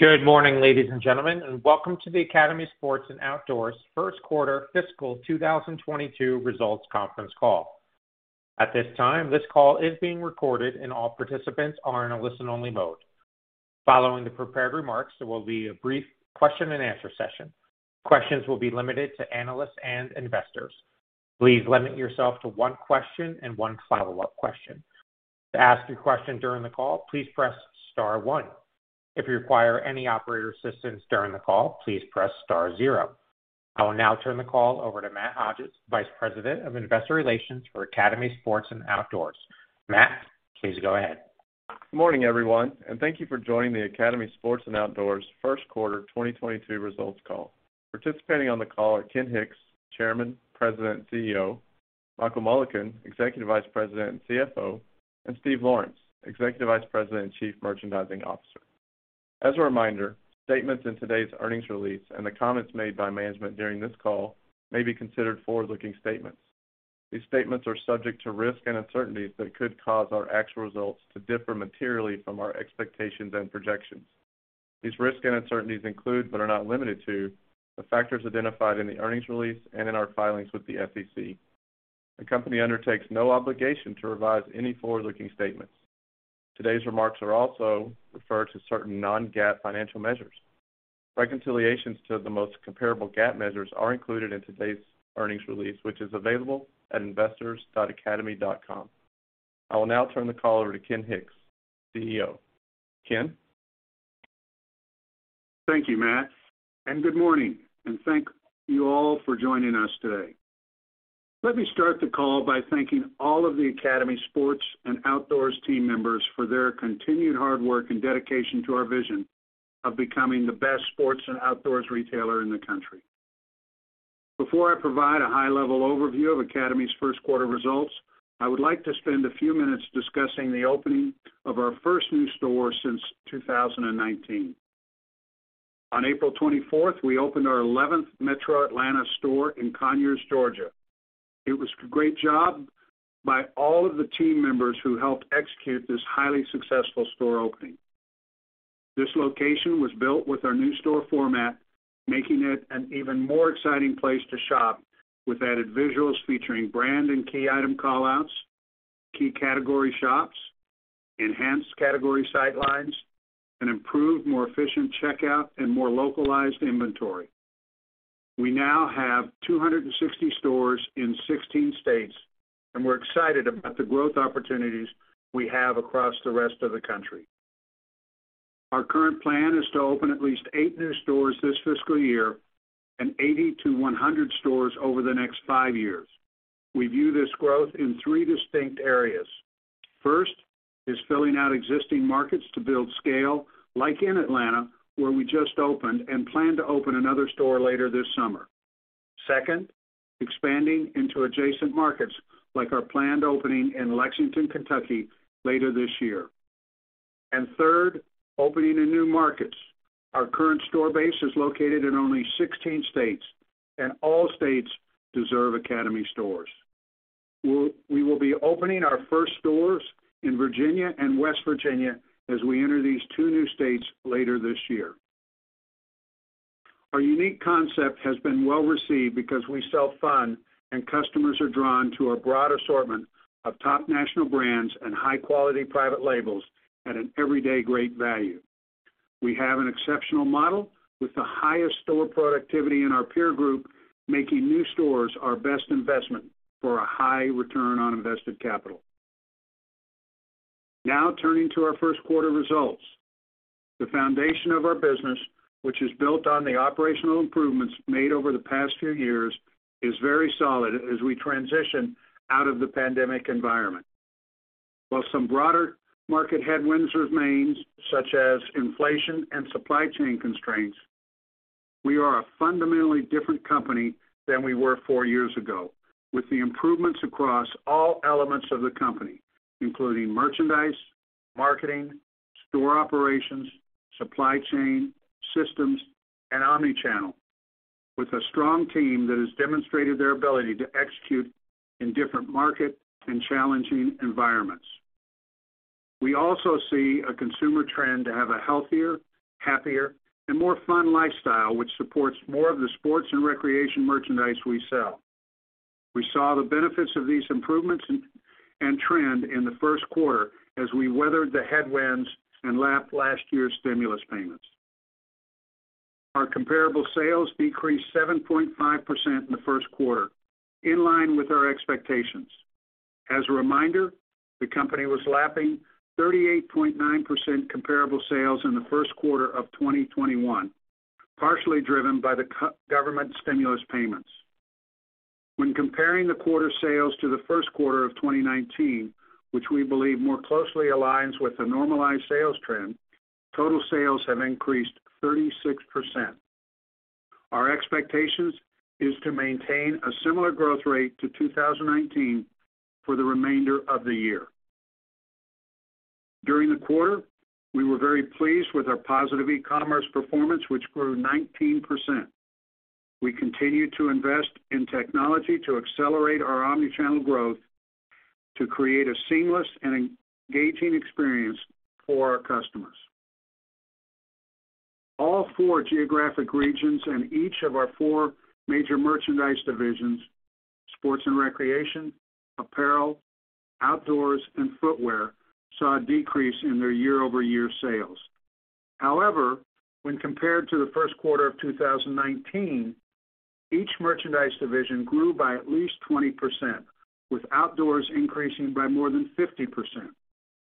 Good morning, ladies and gentlemen, and welcome to the Academy Sports and Outdoors First Quarter Fiscal 2022 Results Conference Call. At this time, this call is being recorded and all participants are in a listen-only mode. Following the prepared remarks, there will be a brief question-and-answer session. Questions will be limited to analysts and investors. Please limit yourself to one question and one follow-up question. To ask your question during the call, please press star one. If you require any operator assistance during the call, please press star zero. I will now turn the call over to Matt Hodges, Vice President of Investor Relations for Academy Sports and Outdoors. Matt, please go ahead. Morning, everyone, and thank you for joining the Academy Sports and Outdoors First Quarter 2022 Results Call. Participating on the call are Ken Hicks, Chairman, President, and CEO, Michael Mullican, Executive Vice President and CFO, and Steve Lawrence, Executive Vice President and Chief Merchandising Officer. As a reminder, statements in today's earnings release and the comments made by management during this call may be considered forward-looking statements. These statements are subject to risks and uncertainties that could cause our actual results to differ materially from our expectations and projections. These risks and uncertainties include, but are not limited to, the factors identified in the earnings release and in our filings with the SEC. The company undertakes no obligation to revise any forward-looking statements. Today's remarks also refer to certain non-GAAP financial measures. Reconciliations to the most comparable GAAP measures are included in today's earnings release, which is available at investors.academy.com. I will now turn the call over to Ken Hicks, CEO. Ken? Thank you, Matt, and good morning, and thank you all for joining us today. Let me start the call by thanking all of the Academy Sports and Outdoors team members for their continued hard work and dedication to our vision of becoming the best sports and outdoors retailer in the country. Before I provide a high-level overview of Academy's first quarter results, I would like to spend a few minutes discussing the opening of our first new store since 2019. On April 24th, we opened our 11th metro Atlanta store in Conyers, Georgia. It was a great job by all of the team members who helped execute this highly successful store opening. This location was built with our new store format, making it an even more exciting place to shop with added visuals featuring brand and key item call-outs, key category shops, enhanced category sightlines, and improved, more efficient checkout and more localized inventory. We now have 260 stores in 16 states, and we're excited about the growth opportunities we have across the rest of the country. Our current plan is to open at least eight new stores this fiscal year and 80-100 stores over the next five years. We view this growth in three distinct areas. First is filling out existing markets to build scale, like in Atlanta, where we just opened and plan to open another store later this summer. Second, expanding into adjacent markets, like our planned opening in Lexington, Kentucky, later this year. Third, opening in new markets. Our current store base is located in only 16 states, and all states deserve Academy stores. We will be opening our first stores in Virginia and West Virginia as we enter these two new states later this year. Our unique concept has been well-received because we sell fun, and customers are drawn to our broad assortment of top national brands and high-quality private labels at an everyday great value. We have an exceptional model with the highest store productivity in our peer group, making new stores our best investment for a high return on invested capital. Now turning to our first quarter results. The foundation of our business, which is built on the operational improvements made over the past few years, is very solid as we transition out of the pandemic environment. While some broader market headwinds remains, such as inflation and supply chain constraints, we are a fundamentally different company than we were four years ago, with the improvements across all elements of the company, including merchandise, marketing, store operations, supply chain, systems, and omnichannel, with a strong team that has demonstrated their ability to execute in different market and challenging environments. We also see a consumer trend to have a healthier, happier, and more fun lifestyle which supports more of the sports and recreation merchandise we sell. We saw the benefits of these improvements and trend in the first quarter as we weathered the headwinds and lapped last year's stimulus payments. Our comparable sales decreased 7.5% in the first quarter, in line with our expectations. As a reminder, the company was lapping 38.9% comparable sales in the first quarter of 2021, partially driven by the government stimulus payments. When comparing the quarter sales to the first quarter of 2019, which we believe more closely aligns with the normalized sales trend, total sales have increased 36%. Our expectations is to maintain a similar growth rate to 2019 for the remainder of the year. During the quarter, we were very pleased with our positive e-commerce performance, which grew 19%. We continue to invest in technology to accelerate our omnichannel growth to create a seamless and engaging experience for our customers. All four geographic regions in each of our four major merchandise divisions, sports and recreation, apparel, outdoors, and footwear, saw a decrease in their year-over-year sales. However, when compared to the first quarter of 2019, each merchandise division grew by at least 20%, with outdoors increasing by more than 50%.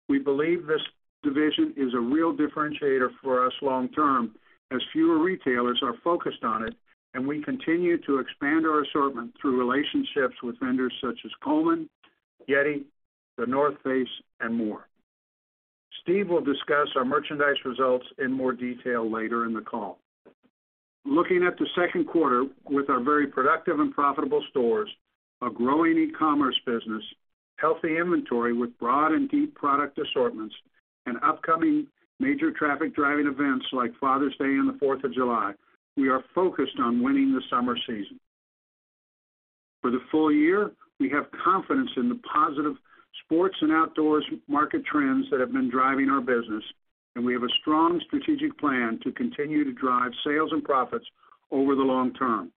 We believe this division is a real differentiator for us long term as fewer retailers are focused on it, and we continue to expand our assortment through relationships with vendors such as Coleman, YETI, The North Face, and more. Steve will discuss our merchandise results in more detail later in the call. Looking at the second quarter with our very productive and profitable stores, a growing e-commerce business, healthy inventory with broad and deep product assortments and upcoming major traffic-driving events like Father's Day and the Fourth of July, we are focused on winning the summer season. For the full year, we have confidence in the positive sports and outdoors market trends that have been driving our business, and we have a strong strategic plan to continue to drive sales and profits over the long term.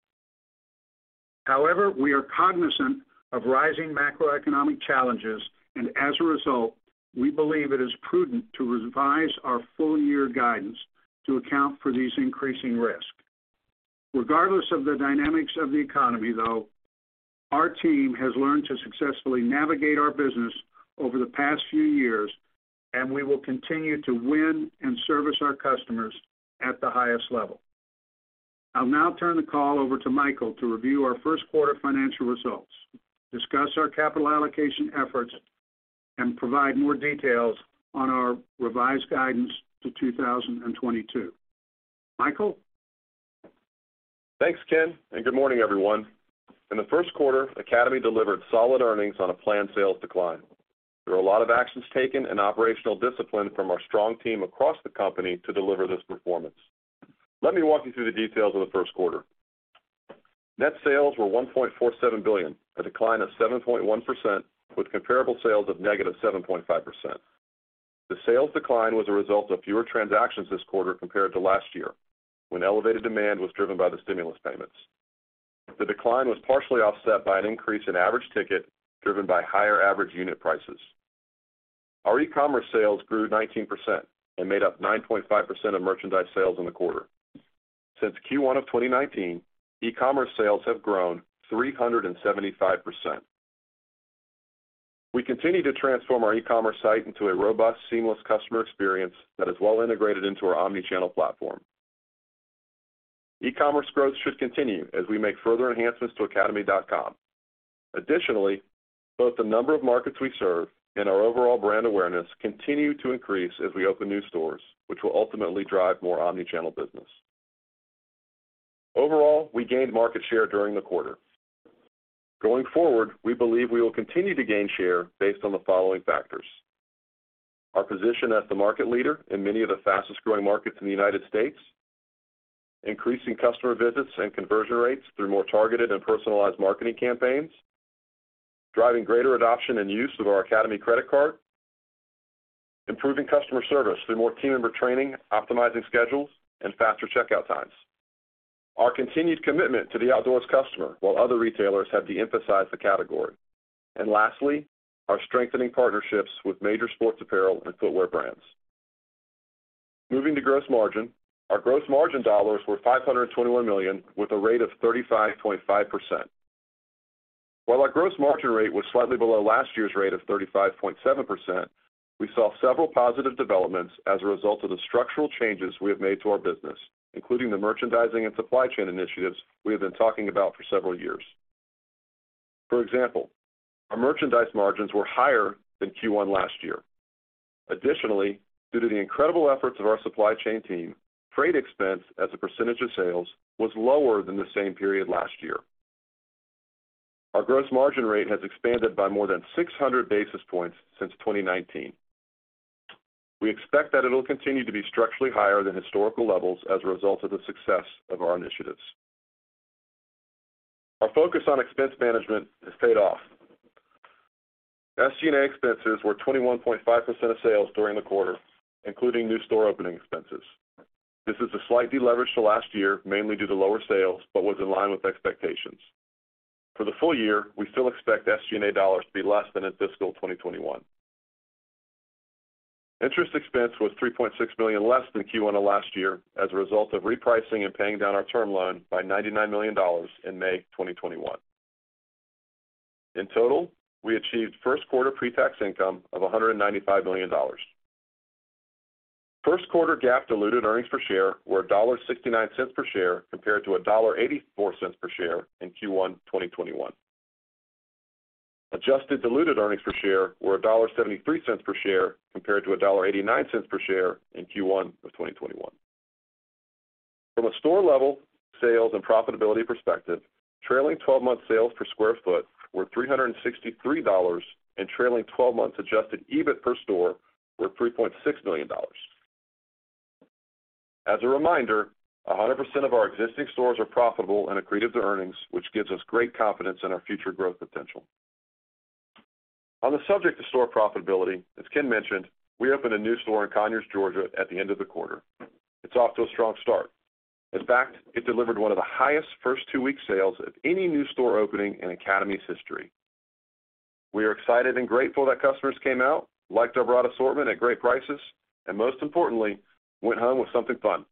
However, we are cognizant of rising macroeconomic challenges and as a result, we believe it is prudent to revise our full year guidance to account for these increasing risks. Regardless of the dynamics of the economy, though, our team has learned to successfully navigate our business over the past few years and we will continue to win and service our customers at the highest level. I'll now turn the call over to Michael to review our first quarter financial results, discuss our capital allocation efforts, and provide more details on our revised guidance for 2022. Michael? Thanks, Ken, and good morning, everyone. In the first quarter, Academy delivered solid earnings on a planned sales decline. There were a lot of actions taken and operational discipline from our strong team across the company to deliver this performance. Let me walk you through the details of the first quarter. Net sales were $1.47 billion, a decline of 7.1%, with comparable sales of -7.5%. The sales decline was a result of fewer transactions this quarter compared to last year when elevated demand was driven by the stimulus payments. The decline was partially offset by an increase in average ticket driven by higher average unit prices. Our e-commerce sales grew 19% and made up 9.5% of merchandise sales in the quarter. Since Q1 of 2019, e-commerce sales have grown 375%. We continue to transform our e-commerce site into a robust, seamless customer experience that is well integrated into our omni-channel platform. E-commerce growth should continue as we make further enhancements to academy.com. Additionally, both the number of markets we serve and our overall brand awareness continue to increase as we open new stores, which will ultimately drive more omni-channel business. Overall, we gained market share during the quarter. Going forward, we believe we will continue to gain share based on the following factors. Our position as the market leader in many of the fastest-growing markets in the United States. Increasing customer visits and conversion rates through more targeted and personalized marketing campaigns. Driving greater adoption and use of our Academy credit card. Improving customer service through more team member training, optimizing schedules, and faster checkout times. Our continued commitment to the outdoors customer while other retailers have de-emphasized the category. Lastly, our strengthening partnerships with major sports apparel and footwear brands. Moving to gross margin. Our gross margin dollars were $521 million, with a rate of 35.5%. While our gross margin rate was slightly below last year's rate of 35.7%, we saw several positive developments as a result of the structural changes we have made to our business, including the merchandising and supply chain initiatives we have been talking about for several years. For example, our merchandise margins were higher than Q1 last year. Additionally, due to the incredible efforts of our supply chain team, freight expense as a percentage of sales was lower than the same period last year. Our gross margin rate has expanded by more than 600 basis points since 2019. We expect that it'll continue to be structurally higher than historical levels as a result of the success of our initiatives. Our focus on expense management has paid off. SG&A expenses were 21.5% of sales during the quarter, including new store opening expenses. This is a slight deleverage to last year, mainly due to lower sales, but was in line with expectations. For the full year, we still expect SG&A dollars to be less than in fiscal 2021. Interest expense was $3.6 million, less than Q1 of last year as a result of repricing and paying down our term loan by $99 million in May 2021. In total, we achieved first quarter pre-tax income of $195 million. First quarter GAAP diluted earnings per share were $1.69 per share compared to $1.84 per share in Q1 2021. Adjusted diluted earnings per share were $1.73 per share compared to $1.89 per share in Q1 of 2021. From a store level sales and profitability perspective, trailing twelve months sales per sq ft were $363. Trailing twelve months adjusted EBIT per store were $3.6 million. As a reminder, 100% of our existing stores are profitable and accretive to earnings, which gives us great confidence in our future growth potential. On the subject to store profitability, as Ken mentioned, we opened a new store in Conyers, Georgia at the end of the quarter. It's off to a strong start. In fact, it delivered one of the highest first 2-week sales of any new store opening in Academy's history. We are excited and grateful that customers came out, liked our broad assortment at great prices, and most importantly, went home with something fun.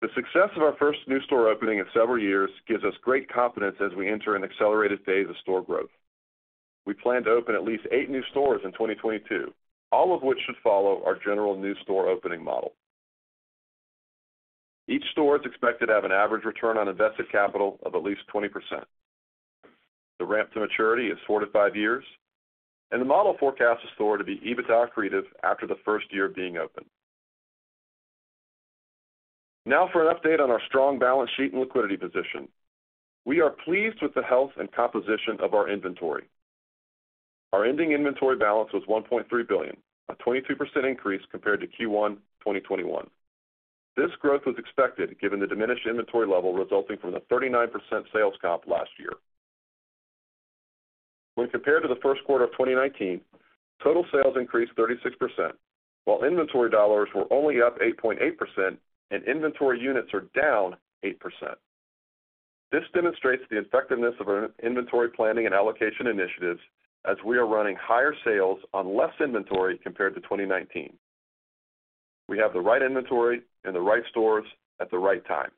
The success of our first new store opening in several years gives us great confidence as we enter an accelerated phase of store growth. We plan to open at least eight new stores in 2022, all of which should follow our general new store opening model. Each store is expected to have an average return on invested capital of at least 20%. The ramp to maturity is four to five years, and the model forecasts the store to be EBITDA accretive after the first year of being open. Now for an update on our strong balance sheet and liquidity position. We are pleased with the health and composition of our inventory. Our ending inventory balance was $1.3 billion, a 22% increase compared to Q1 2021. This growth was expected given the diminished inventory level resulting from the 39% sales comp last year. When compared to the first quarter of 2019, total sales increased 36%, while inventory dollars were only up 8.8% and inventory units are down 8%. This demonstrates the effectiveness of our inventory planning and allocation initiatives as we are running higher sales on less inventory compared to 2019. We have the right inventory in the right stores at the right time.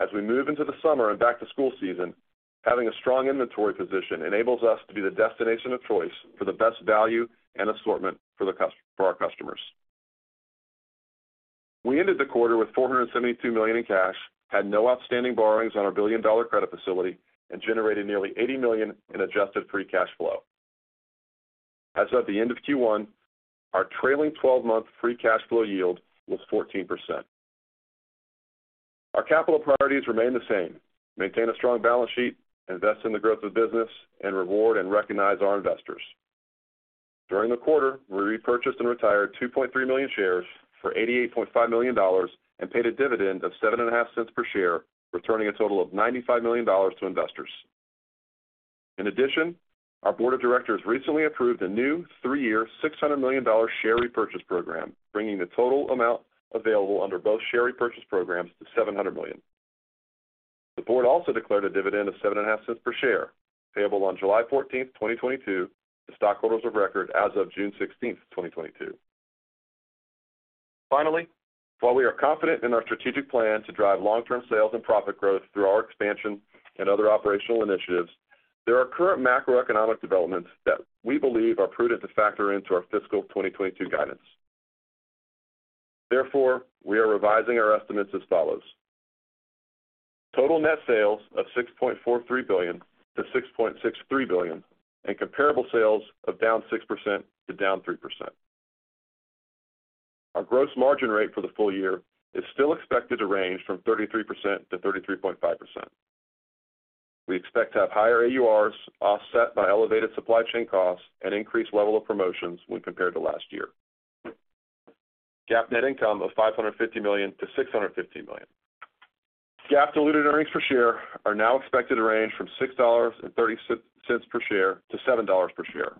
As we move into the summer and back-to-school season, having a strong inventory position enables us to be the destination of choice for the best value and assortment for our customers. We ended the quarter with $472 million in cash, had no outstanding borrowings on our $1 billion-dollar credit facility, and generated nearly $80 million in adjusted free cash flow. As of the end of Q1, our trailing twelve-month free cash flow yield was 14%. Our capital priorities remain the same. Maintain a strong balance sheet, invest in the growth of business, and reward and recognize our investors. During the quarter, we repurchased and retired 2.3 million shares for $88.5 million and paid a dividend of $0.075 per share, returning a total of $95 million to investors. In addition, our board of directors recently approved a new three-year, $600 million share repurchase program, bringing the total amount available under both share repurchase programs to $700 million. The board also declared a dividend of $0.075 per share, payable on July 14, 2022 to stockholders of record as of June 16, 2022. Finally, while we are confident in our strategic plan to drive long-term sales and profit growth through our expansion and other operational initiatives, there are current macroeconomic developments that we believe are prudent to factor into our fiscal 2022 guidance. Therefore, we are revising our estimates as follows. Total net sales of $6.43 billion-$6.63 billion and comparable sales of down 6% to down 3%. Our gross margin rate for the full year is still expected to range from 33%-33.5%. We expect to have higher AURs offset by elevated supply chain costs and increased level of promotions when compared to last year. GAAP net income of $550 million-$650 million. GAAP diluted earnings per share are now expected to range from $6.30 per share to $7.00 per share.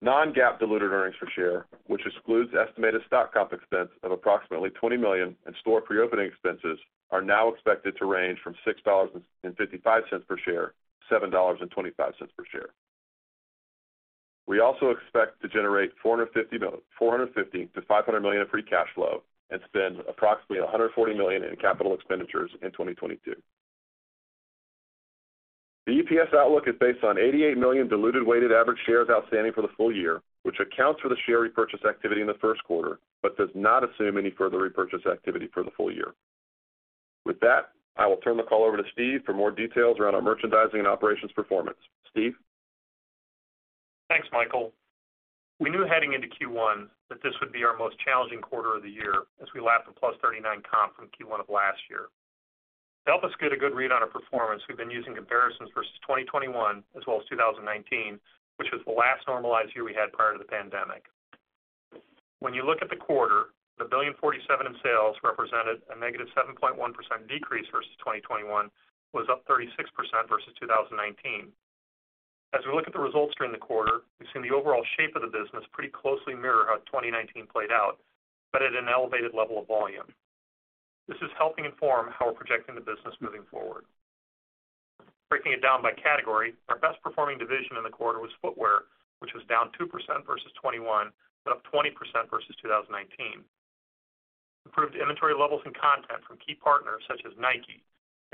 Non-GAAP diluted earnings per share, which excludes estimated stock comp expense of approximately $20 million and store pre-opening expenses, are now expected to range from $6.55 per share to $7.25 per share. We also expect to generate $450-$500 million of free cash flow and spend approximately $140 million in capital expenditures in 2022. The EPS outlook is based on 88 million diluted weighted average shares outstanding for the full year, which accounts for the share repurchase activity in the first quarter, but does not assume any further repurchase activity for the full year. With that, I will turn the call over to Steve for more details around our merchandising and operations performance. Steve? Thanks, Michael. We knew heading into Q1 that this would be our most challenging quarter of the year as we lap the +39 comp from Q1 of last year. To help us get a good read on our performance, we've been using comparisons versus 2021 as well as 2019, which was the last normalized year we had prior to the pandemic. When you look at the quarter, the $1.47 billion in sales represented a -7.1% decrease versus 2021, was up 36% versus 2019. As we look at the results during the quarter, we've seen the overall shape of the business pretty closely mirror how 2019 played out, but at an elevated level of volume. This is helping inform how we're projecting the business moving forward. Breaking it down by category, our best performing division in the quarter was footwear, which was down 2% versus 2021, but up 20% versus 2019. Improved inventory levels and content from key partners such as Nike,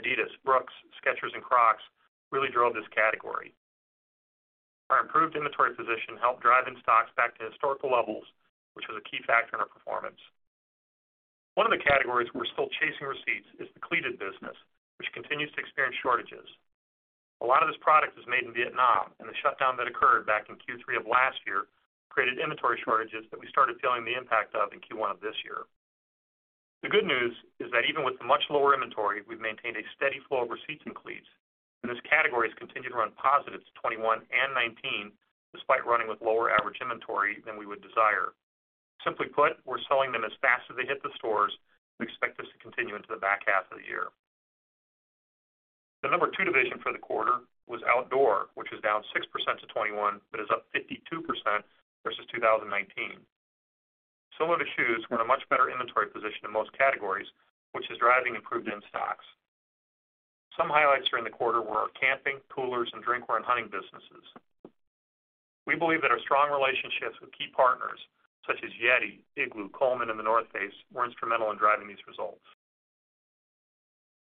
Adidas, Brooks, Skechers, and Crocs really drove this category. Our improved inventory position helped drive in-stocks back to historical levels, which was a key factor in our performance. One of the categories we're still chasing is the cleated business, which continues to experience shortages. A lot of this product is made in Vietnam, and the shutdown that occurred back in Q3 of last year created inventory shortages that we started feeling the impact of in Q1 of this year. The good news is that even with much lower inventory, we've maintained a steady flow of receipts in cleats, and this category has continued to run positive to 21 and 19 despite running with lower average inventory than we would desire. Simply put, we're selling them as fast as they hit the stores. We expect this to continue into the back half of the year. The number two division for the quarter was outdoor, which is down 6% to 21, but is up 52% versus 2019. Similar to shoes, we're in a much better inventory position in most categories, which is driving improved in-stocks. Some highlights during the quarter were our camping, coolers, and drinkware, and hunting businesses. We believe that our strong relationships with key partners such as YETI, Igloo, Coleman, and The North Face were instrumental in driving these results.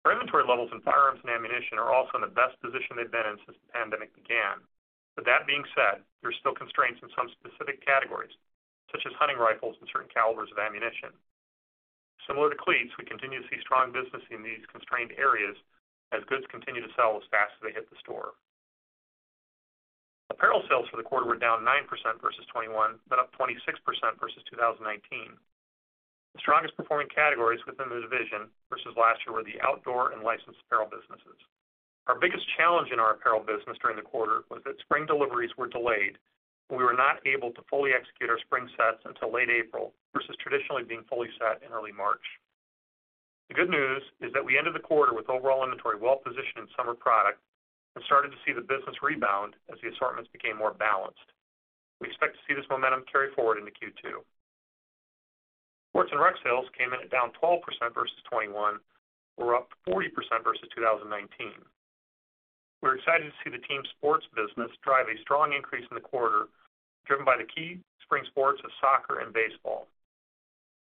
Our inventory levels in firearms and ammunition are also in the best position they've been in since the pandemic began. That being said, there are still constraints in some specific categories, such as hunting rifles and certain calibers of ammunition. Similar to cleats, we continue to see strong business in these constrained areas as goods continue to sell as fast as they hit the store. Apparel sales for the quarter were down 9% versus 2021, but up 26% versus 2019. The strongest performing categories within the division versus last year were the outdoor and licensed apparel businesses. Our biggest challenge in our apparel business during the quarter was that spring deliveries were delayed. We were not able to fully execute our spring sets until late April versus traditionally being fully set in early March. The good news is that we ended the quarter with overall inventory well positioned in summer product and started to see the business rebound as the assortments became more balanced. We expect to see this momentum carry forward into Q2. Sports and rec sales came in at down 12% versus 2021 but were up 40% versus 2019. We're excited to see the team sports business drive a strong increase in the quarter, driven by the key spring sports of soccer and baseball.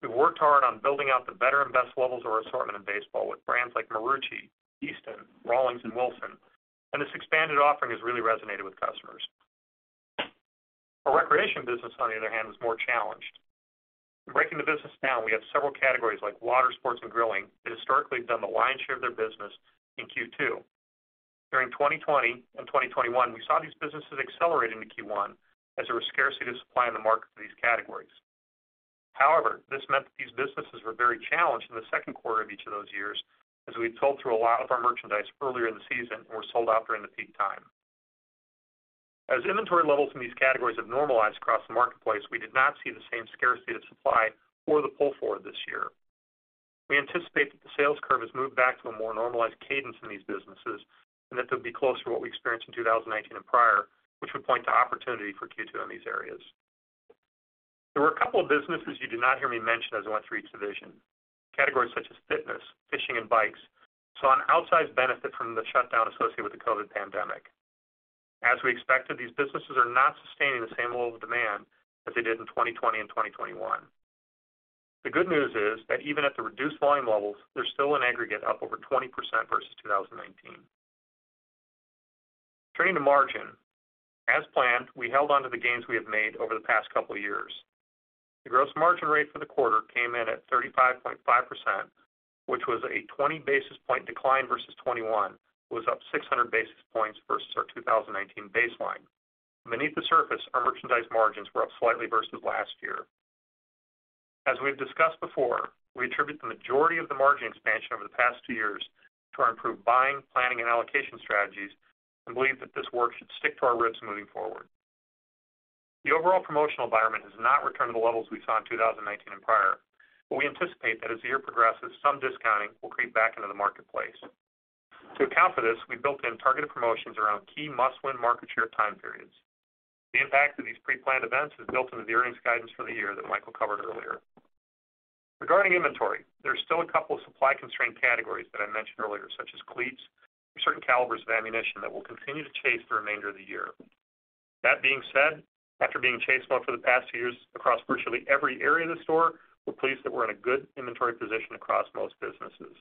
We've worked hard on building out the better and best levels of our assortment in baseball with brands like Marucci, Easton, Rawlings, and Wilson, and this expanded offering has really resonated with customers. Our recreation business, on the other hand, was more challenged. Breaking the business down, we have several categories like water sports and grilling that historically have done the lion's share of their business in Q2. During 2020 and 2021, we saw these businesses accelerate into Q1 as there was scarcity to supply in the market for these categories. However, this meant that these businesses were very challenged in the second quarter of each of those years as we had sold through a lot of our merchandise earlier in the season and were sold out during the peak time. As inventory levels in these categories have normalized across the marketplace, we did not see the same scarcity of supply or the pull-forward this year. We anticipate that the sales curve has moved back to a more normalized cadence in these businesses and that they'll be closer to what we experienced in 2019 and prior, which would point to opportunity for Q2 in these areas. There were a couple of businesses you did not hear me mention as I went through each division. Categories such as fitness, fishing, and bikes saw an outsized benefit from the shutdown associated with the COVID pandemic. As we expected, these businesses are not sustaining the same level of demand as they did in 2020 and 2021. The good news is that even at the reduced volume levels, they're still in aggregate up over 20% versus 2019. Turning to margin, as planned, we held on to the gains we have made over the past couple of years. The gross margin rate for the quarter came in at 35.5%, which was a 20 basis points decline versus 2021. It was up 600 basis points versus our 2019 baseline. Beneath the surface, our merchandise margins were up slightly versus last year. As we've discussed before, we attribute the majority of the margin expansion over the past two years to our improved buying, planning, and allocation strategies and believe that this work should stick to our ribs moving forward. The overall promotional environment has not returned to the levels we saw in 2019 and prior, but we anticipate that as the year progresses, some discounting will creep back into the marketplace. To account for this, we built in targeted promotions around key must-win market share time periods. The impact of these pre-planned events is built into the earnings guidance for the year that Michael covered earlier. Regarding inventory, there are still a couple of supply constraint categories that I mentioned earlier, such as cleats or certain calibers of ammunition that we'll continue to chase the remainder of the year. That being said, after being chase mode for the past 2 years across virtually every area of the store, we're pleased that we're in a good inventory position across most businesses.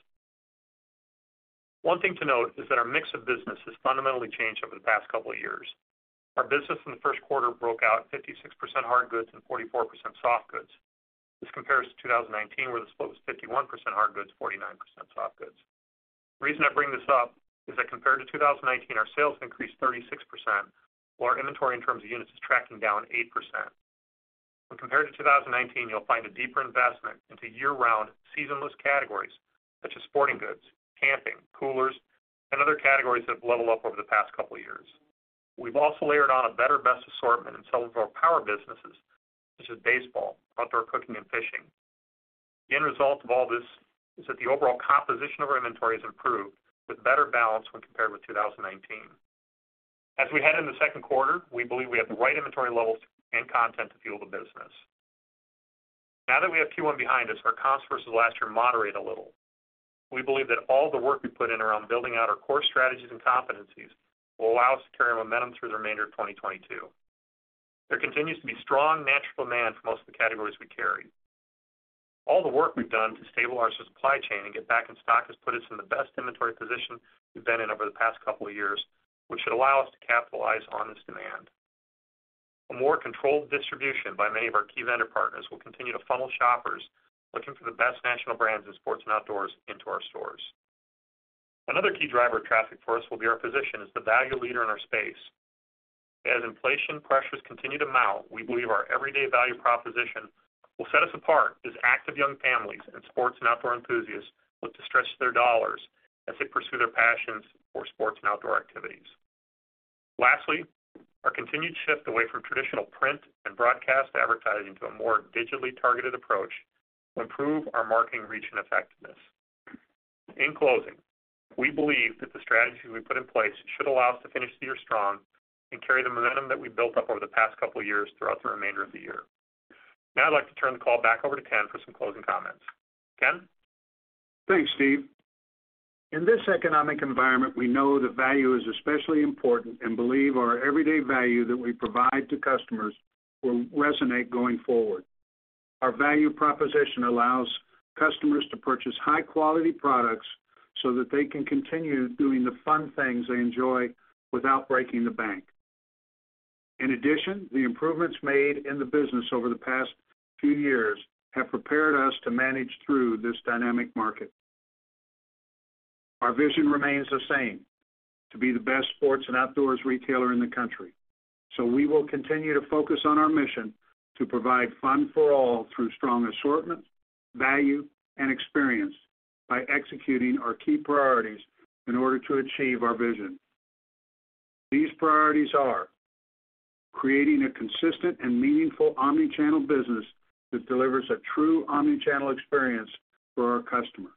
One thing to note is that our mix of business has fundamentally changed over the past couple of years. Our business in the first quarter broke out 56% hard goods and 44% soft goods. This compares to 2019, where the split was 51% hard goods, 49% soft goods. The reason I bring this up is that compared to 2019, our sales have increased 36%, while our inventory in terms of units is tracking down 8%. When compared to 2019, you'll find a deeper investment into year-round, seasonless categories such as sporting goods, camping, coolers, and other categories that have leveled up over the past couple of years. We've also layered on a better, best assortment in some of our power businesses, such as baseball, outdoor cooking, and fishing. The end result of all this is that the overall composition of our inventory has improved with better balance when compared with 2019. As we head into the second quarter, we believe we have the right inventory levels and content to fuel the business. Now that we have Q1 behind us, our comps versus last year moderate a little. We believe that all the work we put in around building out our core strategies and competencies will allow us to carry our momentum through the remainder of 2022. There continues to be strong natural demand for most of the categories we carry. All the work we've done to stabilize our supply chain and get back in stock has put us in the best inventory position we've been in over the past couple of years, which should allow us to capitalize on this demand. A more controlled distribution by many of our key vendor partners will continue to funnel shoppers looking for the best national brands in sports and outdoors into our stores. Another key driver of traffic for us will be our position as the value leader in our space. As inflation pressures continue to mount, we believe our everyday value proposition will set us apart as active young families and sports and outdoor enthusiasts look to stretch their dollars as they pursue their passions for sports and outdoor activities. Lastly, our continued shift away from traditional print and broadcast advertising to a more digitally targeted approach will improve our marketing reach and effectiveness. In closing, we believe that the strategies we put in place should allow us to finish the year strong and carry the momentum that we built up over the past couple of years throughout the remainder of the year. Now I'd like to turn the call back over to Ken for some closing comments. Ken? Thanks, Steve. In this economic environment, we know that value is especially important and believe our everyday value that we provide to customers will resonate going forward. Our value proposition allows customers to purchase high-quality products so that they can continue doing the fun things they enjoy without breaking the bank. In addition, the improvements made in the business over the past few years have prepared us to manage through this dynamic market. Our vision remains the same, to be the best sports and outdoors retailer in the country. We will continue to focus on our mission to provide fun for all through strong assortment, value, and experience by executing our key priorities in order to achieve our vision. These priorities are creating a consistent and meaningful omnichannel business that delivers a true omnichannel experience for our customer.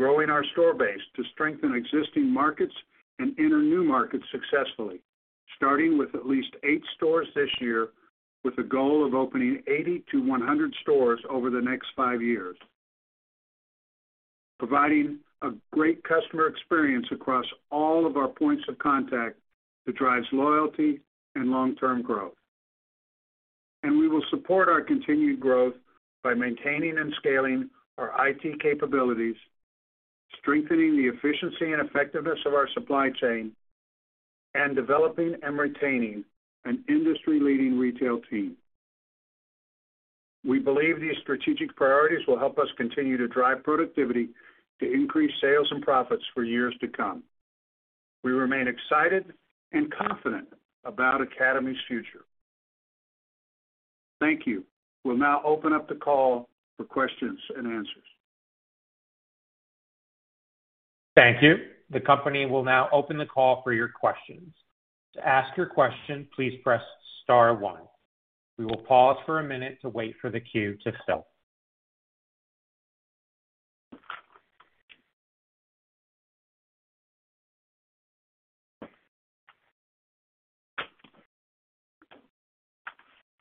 Growing our store base to strengthen existing markets and enter new markets successfully, starting with at least eight stores this year, with a goal of opening 80-100 stores over the next five years. Providing a great customer experience across all of our points of contact that drives loyalty and long-term growth. We will support our continued growth by maintaining and scaling our IT capabilities, strengthening the efficiency and effectiveness of our supply chain, and developing and retaining an industry-leading retail team. We believe these strategic priorities will help us continue to drive productivity to increase sales and profits for years to come. We remain excited and confident about Academy's future. Thank you. We'll now open up the call for questions and answers. Thank you. The company will now open the call for your questions. To ask your question, please press star one. We will pause for a minute to wait for the queue to fill.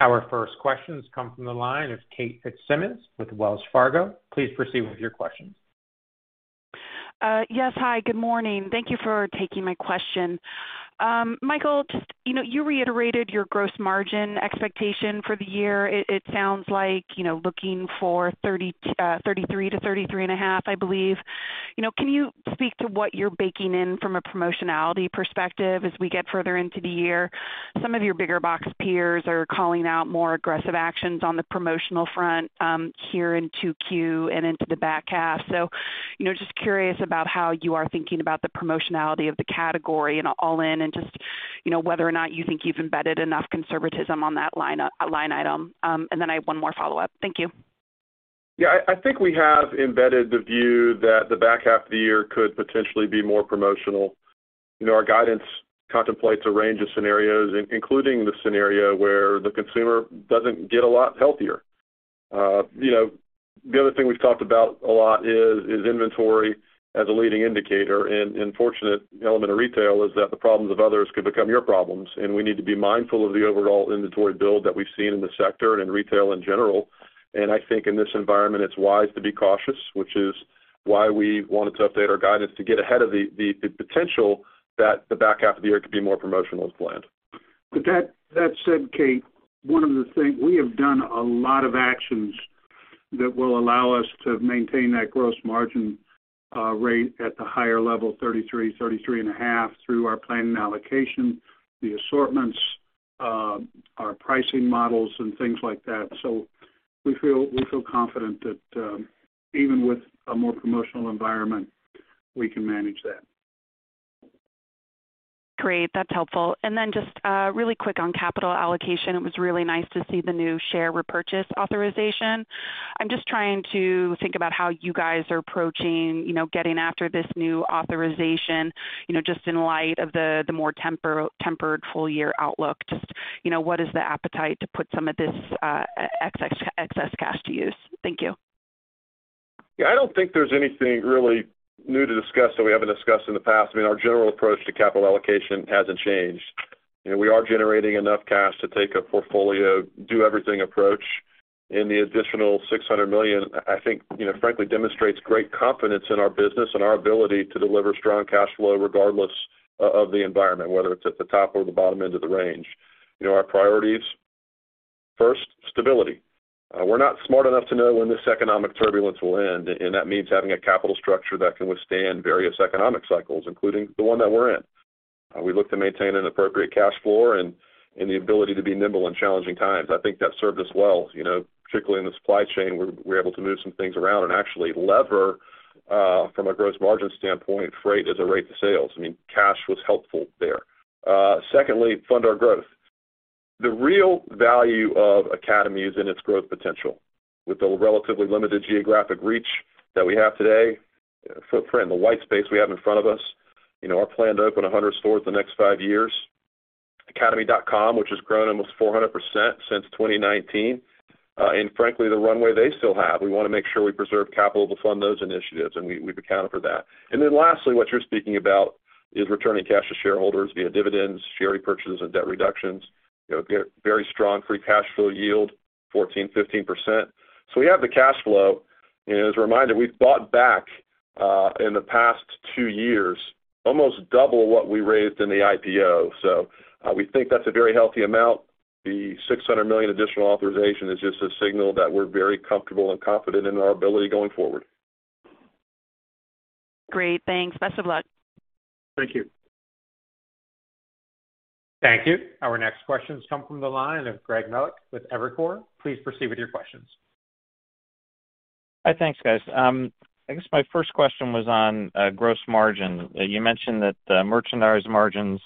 Our first questions come from the line of Kate McShane with Wells Fargo. Please proceed with your questions. Yes. Hi, good morning. Thank you for taking my question. Michael, just, you know, you reiterated your gross margin expectation for the year. It sounds like, you know, looking for 33%-33.5%, I believe. You know, can you speak to what you're baking in from a promotionality perspective as we get further into the year? Some of your bigger box peers are calling out more aggressive actions on the promotional front, here in 2Q and into the back half. You know, just curious about how you are thinking about the promotionality of the category and all in and just, you know, whether or not you think you've embedded enough conservatism on that line item. And then I have one more follow-up. Thank you. Yeah. I think we have embedded the view that the back half of the year could potentially be more promotional. You know, our guidance contemplates a range of scenarios, including the scenario where the consumer doesn't get a lot healthier. You know, the other thing we've talked about a lot is inventory as a leading indicator. An unfortunate element of retail is that the problems of others could become your problems, and we need to be mindful of the overall inventory build that we've seen in the sector and in retail in general. I think in this environment, it's wise to be cautious, which is why we wanted to update our guidance to get ahead of the potential that the back half of the year could be more promotional as planned. With that said, Kate, we have done a lot of actions that will allow us to maintain that gross margin rate at the higher level, 33%-33.5%, through our planning allocation, the assortments, our pricing models and things like that. We feel confident that even with a more promotional environment, we can manage that. Great. That's helpful. Then just really quick on capital allocation. It was really nice to see the new share repurchase authorization. I'm just trying to think about how you guys are approaching, you know, getting after this new authorization, you know, just in light of the more tempered full-year outlook. Just, you know, what is the appetite to put some of this excess cash to use? Thank you. Yeah. I don't think there's anything really new to discuss that we haven't discussed in the past. I mean, our general approach to capital allocation hasn't changed. You know, we are generating enough cash to take a portfolio do-everything approach. The additional $600 million, I think, you know, frankly demonstrates great confidence in our business and our ability to deliver strong cash flow regardless of the environment, whether it's at the top or the bottom end of the range. You know, our priorities, first, stability. We're not smart enough to know when this economic turbulence will end, and that means having a capital structure that can withstand various economic cycles, including the one that we're in. We look to maintain an appropriate cash flow and the ability to be nimble in challenging times. I think that served us well, you know, particularly in the supply chain, we're able to move some things around and actually leverage from a gross margin standpoint, freight as a rate to sales. I mean, cash was helpful there. Secondly, fund our growth. The real value of Academy is in its growth potential. With the relatively limited geographic reach that we have today, footprint, the white space we have in front of us, you know, our plan to open 100 stores the next five years. Academy.com, which has grown almost 400% since 2019. And frankly, the runway they still have. We wanna make sure we preserve capital to fund those initiatives, and we've accounted for that. Then lastly, what you're speaking about is returning cash to shareholders via dividends, share repurchases and debt reductions. You know, very strong Free Cash Flow yield, 14%-15%. We have the cash flow. As a reminder, we've bought back, in the past 2 years, almost double what we raised in the IPO. We think that's a very healthy amount. The $600 million additional authorization is just a signal that we're very comfortable and confident in our ability going forward. Great. Thanks. Best of luck. Thank you. Thank you. Our next question comes from the line of Greg Melich with Evercore. Please proceed with your questions. Hi. Thanks, guys. I guess my first question was on gross margin. You mentioned that merchandise margins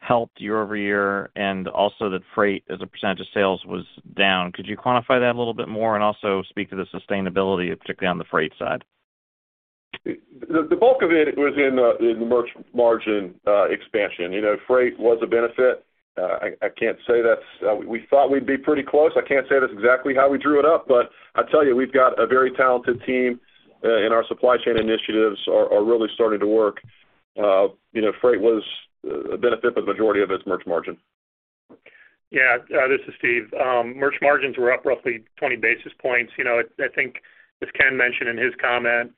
helped year over year and also that freight as a percentage of sales was down. Could you quantify that a little bit more and also speak to the sustainability, particularly on the freight side? The bulk of it was in the merch margin expansion. You know, freight was a benefit. We thought we'd be pretty close. I can't say that's exactly how we drew it up, but I tell you, we've got a very talented team, and our supply chain initiatives are really starting to work. You know, freight was a benefit, but the majority of it is merch margin. Yeah. This is Steve. Merch margins were up roughly 20 basis points. I think as Ken mentioned in his comment,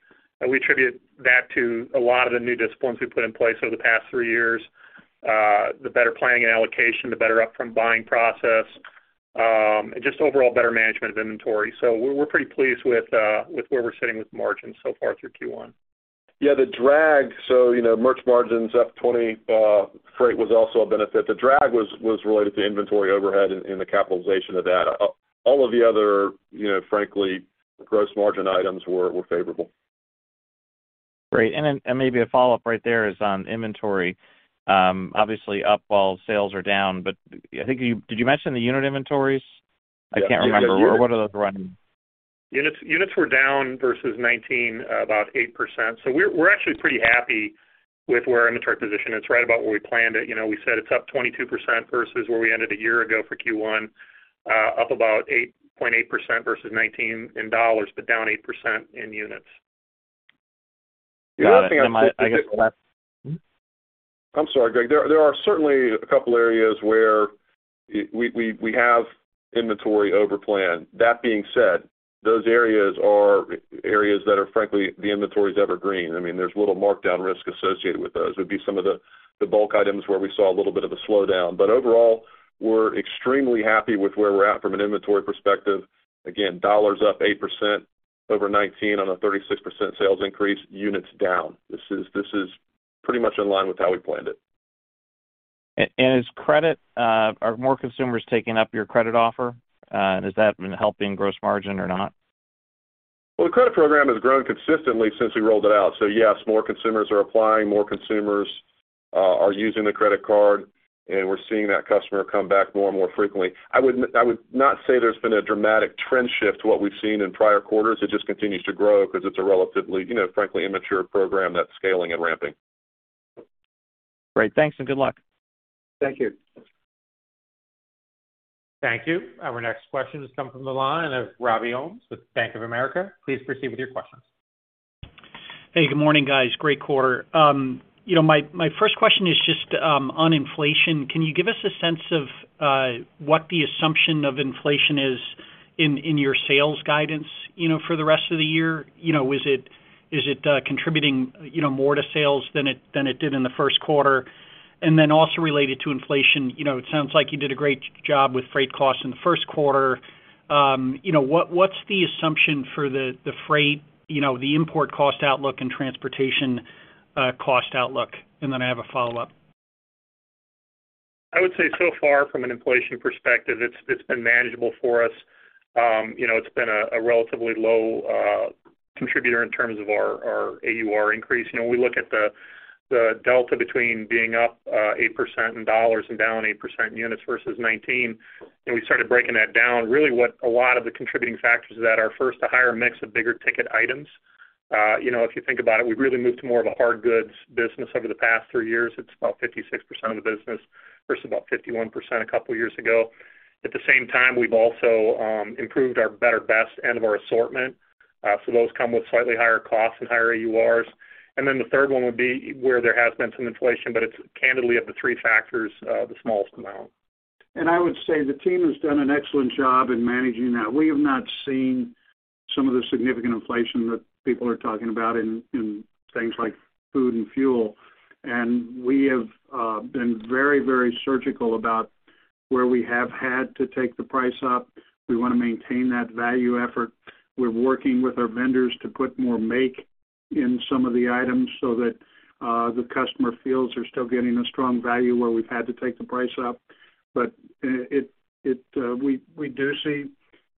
we attribute that to a lot of the new disciplines we put in place over the past three years. The better planning and allocation, the better upfront buying process, and just overall better management of inventory. We're pretty pleased with where we're sitting with margins so far through Q1. The drag. You know, merch margins up 20%, freight was also a benefit. The drag was related to inventory overhead and the capitalization of that. All of the other, you know, frankly, gross margin items were favorable. Great. Then, maybe a follow-up right there is on inventory, obviously up while sales are down. Did you mention the unit inventories? I can't remember. What are those running? Units were down versus 2019 about 8%. We're actually pretty happy with where inventory position. It's right about where we planned it. You know, we said it's up 22% versus where we ended a year ago for Q1, up about 8.8% versus 2019 in dollars, but down 8% in units. Got it. My, I guess, last I'm sorry, Greg. There are certainly a couple areas where we have inventory over plan. That being said, those areas are areas that are frankly, the inventory is evergreen. I mean, there's little markdown risk associated with those. Would be some of the bulk items where we saw a little bit of a slowdown. Overall, we're extremely happy with where we're at from an inventory perspective. Again, dollars up 8% over 2019 on a 36% sales increase, units down. This is pretty much in line with how we planned it. Are more consumers taking up your credit offer? Has that been helping gross margin or not? Well, the credit program has grown consistently since we rolled it out. Yes, more consumers are applying, more consumers are using the credit card, and we're seeing that customer come back more and more frequently. I would not say there's been a dramatic trend shift to what we've seen in prior quarters. It just continues to grow because it's a relatively, you know, frankly, immature program that's scaling and ramping. Great. Thanks and good luck. Thank you. Thank you. Our next question has come from the line of Robbie Ohmes with Bank of America. Please proceed with your questions. Hey, good morning, guys. Great quarter. You know, my first question is just on inflation. Can you give us a sense of what the assumption of inflation is in your sales guidance, you know, for the rest of the year? You know, is it contributing, you know, more to sales than it did in the first quarter? Related to inflation, you know, it sounds like you did a great job with freight costs in the first quarter. You know, what's the assumption for the freight, you know, the import cost outlook and transportation cost outlook? I have a follow-up. I would say so far from an inflation perspective, it's been manageable for us. You know, it's been a relatively low contributor in terms of our AUR increase. You know, we look at the delta between being up 8% in dollars and down 8% in units versus 19%, and we started breaking that down. Really what a lot of the contributing factors to that are first, a higher mix of bigger ticket items. You know, if you think about it, we've really moved to more of a hard goods business over the past three years. It's about 56% of the business versus about 51% a couple of years ago. At the same time, we've also improved our better best end of our assortment. So those come with slightly higher costs and higher AURs. The third one would be where there has been some inflation, but it's candidly of the three factors, the smallest amount. I would say the team has done an excellent job in managing that. We have not seen some of the significant inflation that people are talking about in things like food and fuel. We have been very, very surgical about Where we have had to take the price up, we want to maintain that value effort. We're working with our vendors to put more margin in some of the items so that the customer feels they're still getting a strong value where we've had to take the price up. We do see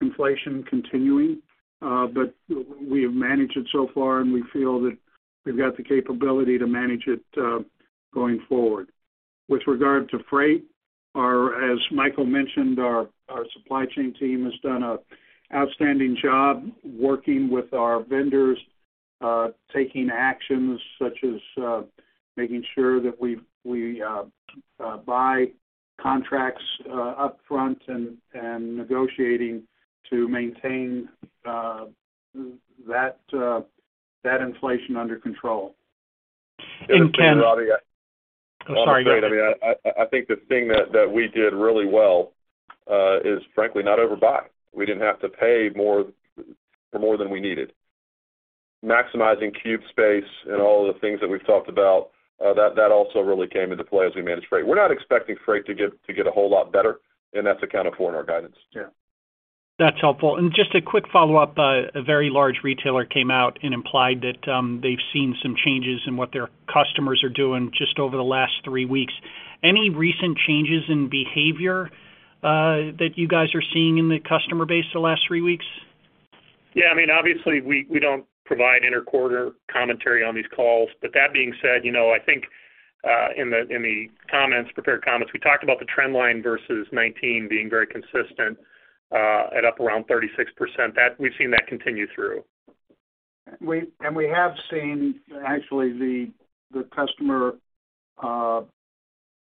inflation continuing, but we have managed it so far, and we feel that we've got the capability to manage it going forward. With regard to freight, as Michael mentioned, our supply chain team has done an outstanding job working with our vendors, taking actions such as making sure that we buy contracts upfront and negotiating to maintain that inflation under control. Ken- Robbie, I'm sorry, go ahead. I think the thing that we did really well is frankly not overbuy. We didn't have to pay more than we needed. Maximizing cube space and all of the things that we've talked about that also really came into play as we managed freight. We're not expecting freight to get a whole lot better, and that's accounted for in our guidance. Yeah. That's helpful. Just a quick follow-up. A very large retailer came out and implied that they've seen some changes in what their customers are doing just over the last three weeks. Any recent changes in behavior that you guys are seeing in the customer base the last three weeks? Yeah. I mean, obviously we don't provide inter-quarter commentary on these calls. That being said, you know, I think in the prepared comments, we talked about the trend line versus 19 being very consistent at up around 36%. That. We've seen that continue through. We have seen actually the customer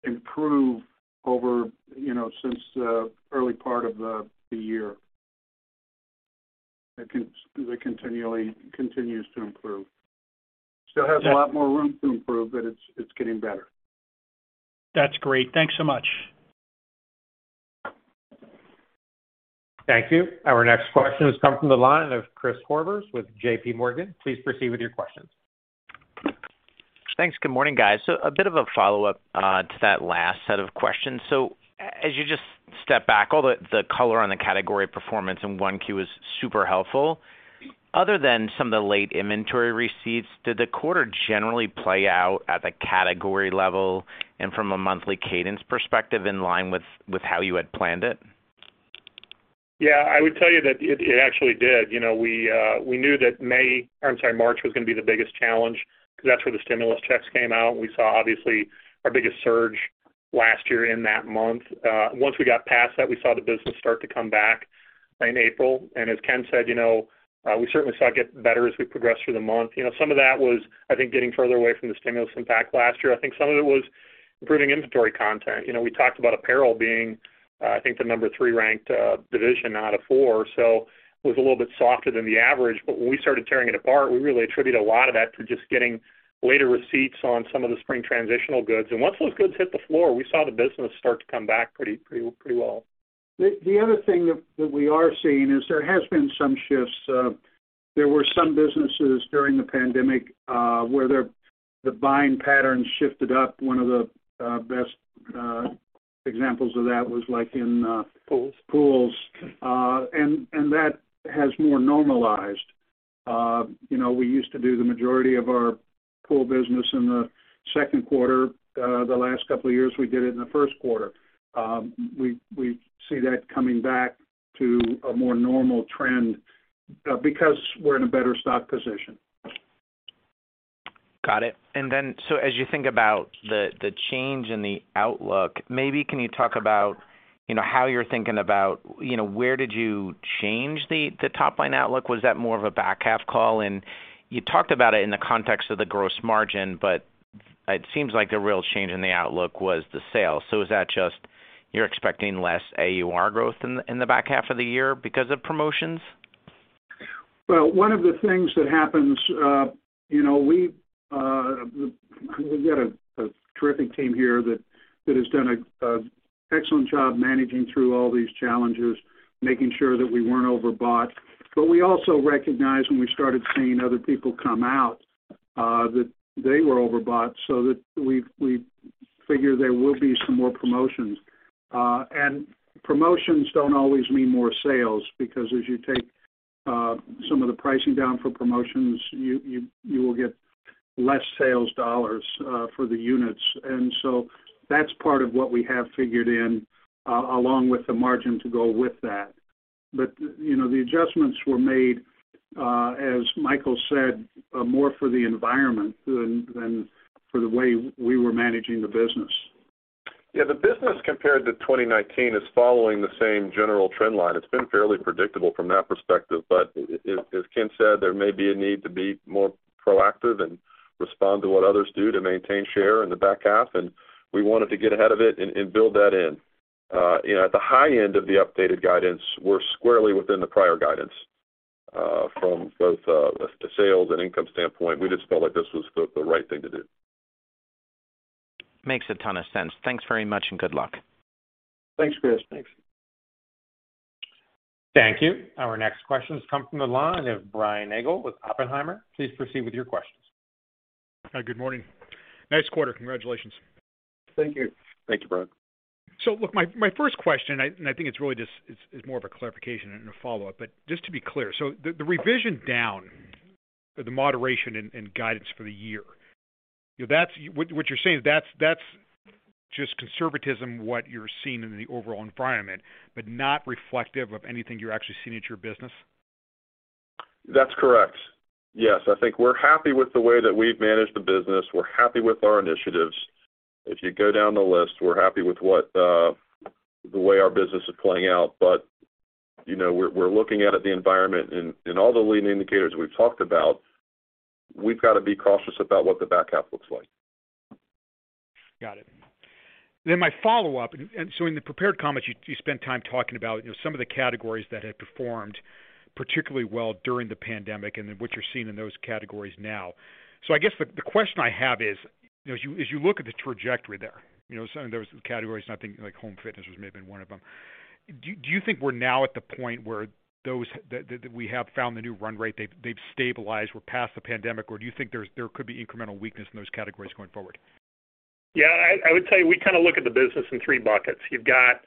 improve over, you know, since the early part of the year. It continually continues to improve. Still has a lot more room to improve, but it's getting better. That's great. Thanks so much. Thank you. Our next question has come from the line of Christopher Horvers with JPMorgan. Please proceed with your questions. Thanks. Good morning, guys. A bit of a follow-up to that last set of questions. As you just step back, all the color on the category performance in 1Q is super helpful. Other than some of the late inventory receipts, did the quarter generally play out at the category level and from a monthly cadence perspective in line with how you had planned it? Yeah. I would tell you that it actually did. You know, we knew that March was gonna be the biggest challenge because that's where the stimulus checks came out, and we saw obviously our biggest surge last year in that month. Once we got past that, we saw the business start to come back by April. As Ken said, you know, we certainly saw it get better as we progressed through the month. You know, some of that was, I think, getting further away from the stimulus impact last year. I think some of it was improving inventory content. You know, we talked about apparel being, I think, the number three ranked division out of four. It was a little bit softer than the average. When we started tearing it apart, we really attributed a lot of that to just getting later receipts on some of the spring transitional goods. Once those goods hit the floor, we saw the business start to come back pretty well. The other thing that we are seeing is there has been some shifts. There were some businesses during the pandemic where their buying pattern shifted up. One of the best examples of that was like in Pools... pools. That has more normalized. You know, we used to do the majority of our pool business in the second quarter. The last couple of years, we did it in the first quarter. We see that coming back to a more normal trend, because we're in a better stock position. Got it. As you think about the change in the outlook, maybe can you talk about, you know, how you're thinking about, you know, where did you change the top-line outlook? Was that more of a back half call? You talked about it in the context of the gross margin, but it seems like the real change in the outlook was the sales. Is that just you're expecting less AUR growth in the back half of the year because of promotions? Well, one of the things that happens, you know, we've got a terrific team here that has done an excellent job managing through all these challenges, making sure that we weren't overbought. We also recognized when we started seeing other people come out, that they were overbought, so that we figure there will be some more promotions. Promotions don't always mean more sales because as you take some of the pricing down for promotions, you will get less sales dollars for the units. That's part of what we have figured in, along with the margin to go with that. You know, the adjustments were made, as Michael said, more for the environment than for the way we were managing the business. Yeah, the business compared to 2019 is following the same general trend line. It's been fairly predictable from that perspective. As Ken said, there may be a need to be more proactive and respond to what others do to maintain share in the back half, and we wanted to get ahead of it and build that in. You know, at the high end of the updated guidance, we're squarely within the prior guidance from both the sales and income standpoint. We just felt like this was the right thing to do. Makes a ton of sense. Thanks very much, and good luck. Thanks, Chris. Thanks. Thank you. Our next question comes from the line of Brian Nagel with Oppenheimer. Please proceed with your questions. Hi, good morning. Nice quarter. Congratulations. Thank you. Thank you, Brian. Look, my first question, and I think it's really just more of a clarification and a follow-up, but just to be clear. The revision down, the moderation and guidance for the year, that's what you're saying is that's just conservatism, what you're seeing in the overall environment, but not reflective of anything you're actually seeing at your business. That's correct. Yes. I think we're happy with the way that we've managed the business. We're happy with our initiatives. If you go down the list, we're happy with what the way our business is playing out. You know, we're looking out at the environment and all the leading indicators we've talked about. We've got to be cautious about what the back half looks like. Got it. My follow-up. In the prepared comments, you spent time talking about, you know, some of the categories that have performed particularly well during the pandemic and then what you're seeing in those categories now. I guess the question I have is, you know, as you look at the trajectory there, you know, some of those categories, and I think like home fitness was maybe one of them. Do you think we're now at the point where those that we have found the new run rate, they've stabilized, we're past the pandemic? Or do you think there could be incremental weakness in those categories going forward? Yeah, I would say we kind of look at the business in three buckets. You've got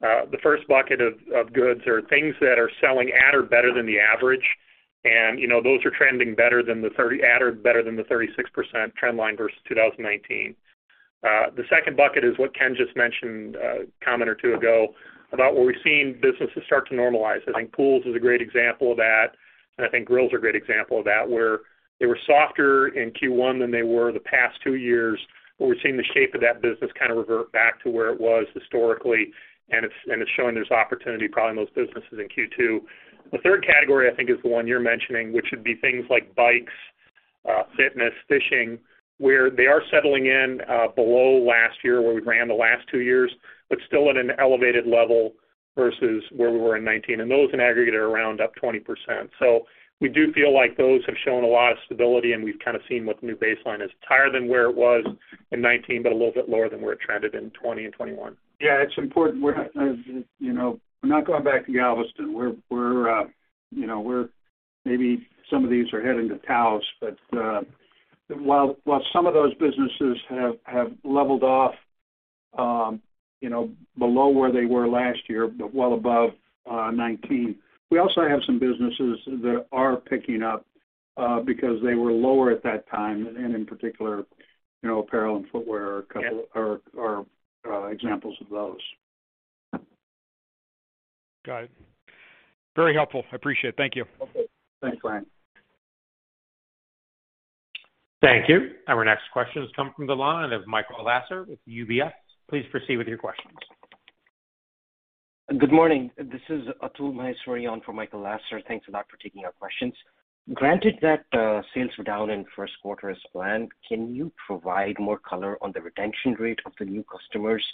the first bucket of goods or things that are selling at or better than the average. You know, those are trending at or better than the 36% trend line versus 2019. The second bucket is what Ken just mentioned a comment or two ago about where we're seeing businesses start to normalize. I think pools is a great example of that, and I think grills are a great example of that, where they were softer in Q1 than they were the past two years, but we're seeing the shape of that business kind of revert back to where it was historically, and it's showing there's opportunity probably in those businesses in Q2. The third category, I think, is the one you're mentioning, which would be things like bikes, fitness, fishing, where they are settling in, below last year where we ran the last two years, but still at an elevated level versus where we were in 2019. Those in aggregate are around up 20%. We do feel like those have shown a lot of stability, and we've kind of seen what the new baseline is. It's higher than where it was in 2019, but a little bit lower than where it trended in 2020 and 2021. Yeah, it's important. We're not going back to Galveston. Maybe some of these are heading to Taos. While some of those businesses have leveled off below where they were last year, but well above 2019, we also have some businesses that are picking up because they were lower at that time. In particular, apparel and footwear are a couple- Yes. Are examples of those? Got it. Very helpful. I appreciate it. Thank you. Okay. Thanks, Brian. Thank you. Our next question has come from the line of Michael Lasser with UBS. Please proceed with your questions. Good morning. This is Atul Maheshwari on for Michael Lasser. Thanks a lot for taking our questions. Granted that, sales were down in first quarter as planned, can you provide more color on the retention rate of the new customers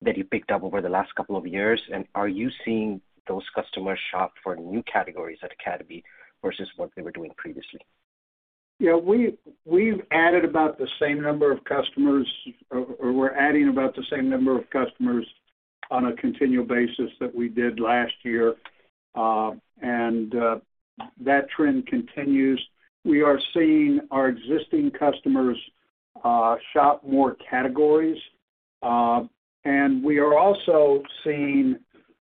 that you picked up over the last couple of years? And are you seeing those customers shop for new categories at Academy versus what they were doing previously? Yeah. We've added about the same number of customers, or we're adding about the same number of customers on a continual basis that we did last year, and that trend continues. We are seeing our existing customers shop more categories, and we are also seeing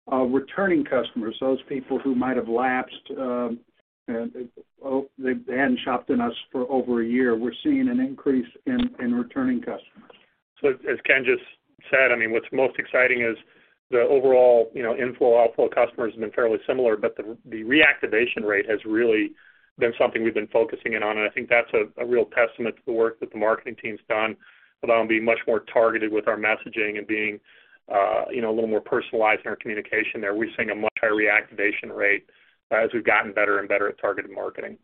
returning customers, those people who might have lapsed, they hadn't shopped in us for over a year. We're seeing an increase in returning customers. As Ken just said, I mean, what's most exciting is the overall, you know, inflow, outflow of customers has been fairly similar, but the reactivation rate has really been something we've been focusing in on. I think that's a real testament to the work that the marketing team's done around being much more targeted with our messaging and being, you know, a little more personalized in our communication there. We're seeing a much higher reactivation rate as we've gotten better and better at targeted marketing.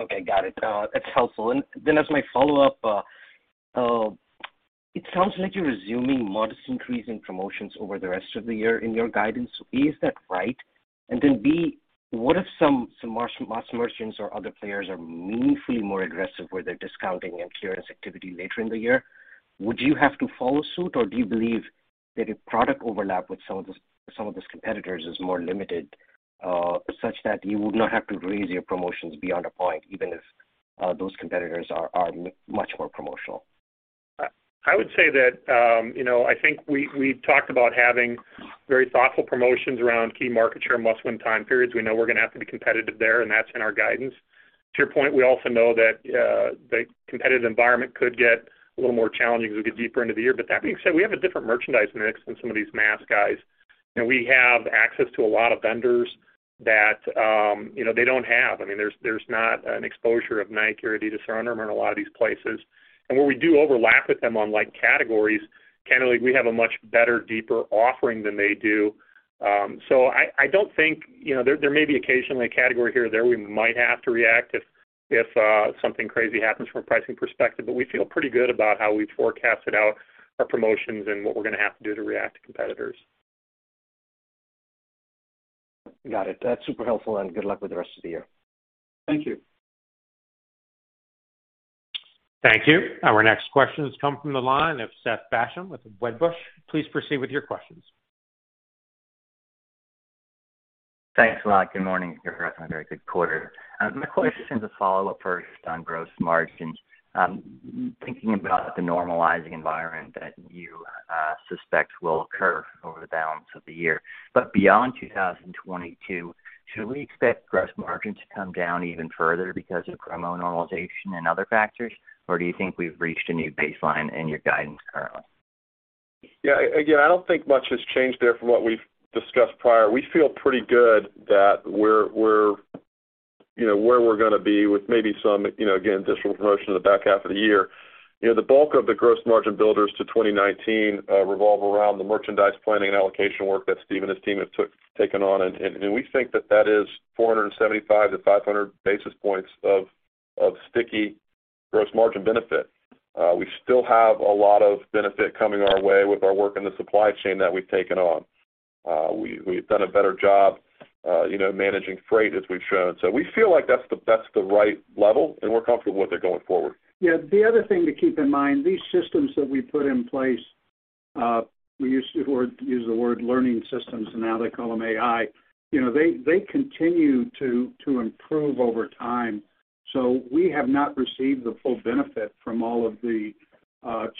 Okay. Got it. That's helpful. As my follow-up, it sounds like you're resuming modest increase in promotions over the rest of the year in your guidance. A, is that right? B, what if some mass merchants or other players are meaningfully more aggressive with their discounting and clearance activity later in the year? Would you have to follow suit, or do you believe that your product overlap with some of those competitors is more limited, such that you would not have to raise your promotions beyond a point, even if those competitors are much more promotional? I would say that, you know, I think we've talked about having very thoughtful promotions around key market share must-win time periods. We know we're gonna have to be competitive there, and that's in our guidance. To your point, we also know that the competitive environment could get a little more challenging as we get deeper into the year. That being said, we have a different merchandise mix than some of these mass guys. You know, we have access to a lot of vendors that, you know, they don't have. I mean, there's not an exposure of Nike or Adidas or Under Armour in a lot of these places. Where we do overlap with them on like categories, candidly, we have a much better, deeper offering than they do. So I don't think. You know, there may be occasionally a category here or there we might have to react if something crazy happens from a pricing perspective, but we feel pretty good about how we've forecasted out our promotions and what we're gonna have to do to react to competitors. Got it. That's super helpful and good luck with the rest of the year. Thank you. Thank you. Our next question has come from the line of Seth Basham with Wedbush. Please proceed with your questions. Thanks a lot. Good morning. Congrats on a very good quarter. My question is a follow-up first on gross margins. Thinking about the normalizing environment that you suspect will occur over the balance of the year. Beyond 2022, should we expect gross margin to come down even further because of promo normalization and other factors? Or do you think we've reached a new baseline in your guidance currently? Yeah. Again, I don't think much has changed there from what we've discussed prior. We feel pretty good that we're you know where we're gonna be with maybe some you know again digital promotion in the back half of the year. You know the bulk of the gross margin builders to 2019 revolve around the merchandise planning and allocation work that Steve and his team have taken on. We think that is 475-500 basis points of sticky gross margin benefit. We still have a lot of benefit coming our way with our work in the supply chain that we've taken on. We've done a better job you know managing freight as we've shown. We feel like that's the right level, and we're comfortable with it going forward. Yeah. The other thing to keep in mind, these systems that we put in place, we used to use the word learning systems, and now they call them AI. You know, they continue to improve over time. We have not received the full benefit from all of the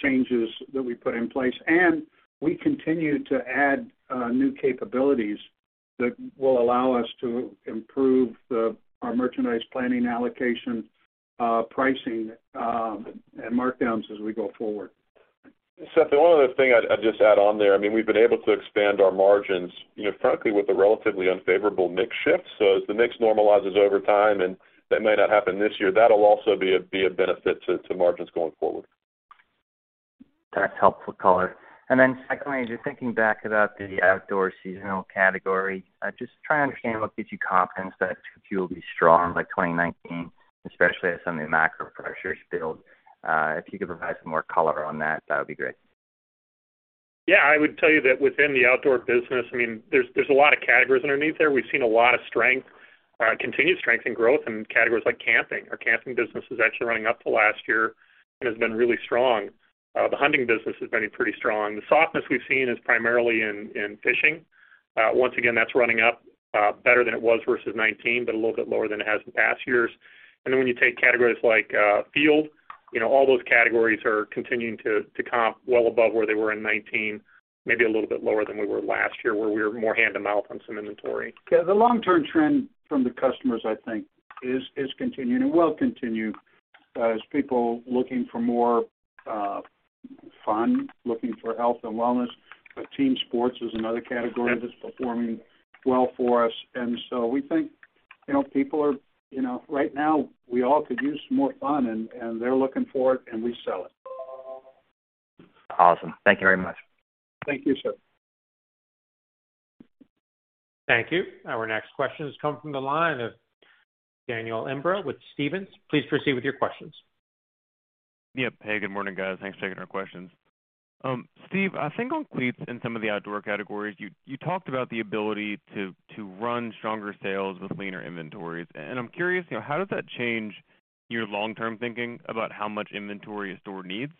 changes that we put in place, and we continue to add new capabilities that will allow us to improve our merchandise planning, allocation, pricing, and markdowns as we go forward. Seth, the one other thing I'd just add on there, I mean, we've been able to expand our margins, you know, frankly, with a relatively unfavorable mix shift. As the mix normalizes over time, and that may not happen this year, that'll also be a benefit to margins going forward. That's helpful color. Then secondly, just thinking back about the outdoor seasonal category, just trying to understand what gives you confidence that Q2 will be strong like 2019, especially as some of the macro pressures build. If you could provide some more color on that would be great. Yeah. I would tell you that within the outdoor business, I mean, there's a lot of categories underneath there. We've seen a lot of strength, continued strength and growth in categories like camping. Our camping business is actually running up to last year and has been really strong. The hunting business has been pretty strong. The softness we've seen is primarily in fishing. Once again, that's running up better than it was versus 2019, but a little bit lower than it has in past years. When you take categories like field, you know, all those categories are continuing to comp well above where they were in 2019, maybe a little bit lower than we were last year, where we were more hand-to-mouth on some inventory. Yeah. The long-term trend from the customers, I think, is continuing and will continue as people looking for more fun, looking for health and wellness. Team sports is another category that's performing well for us. We think, you know, people are. You know, right now we all could use some more fun and they're looking for it, and we sell it. Awesome. Thank you very much. Thank you, sir. Thank you. Our next question has come from the line of Daniel Imbro with Stephens. Please proceed with your questions. Yep. Hey, good morning, guys. Thanks for taking our questions. Steve, I think on cleats in some of the outdoor categories, you talked about the ability to run stronger sales with leaner inventories. I'm curious, you know, how does that change your long-term thinking about how much inventory a store needs?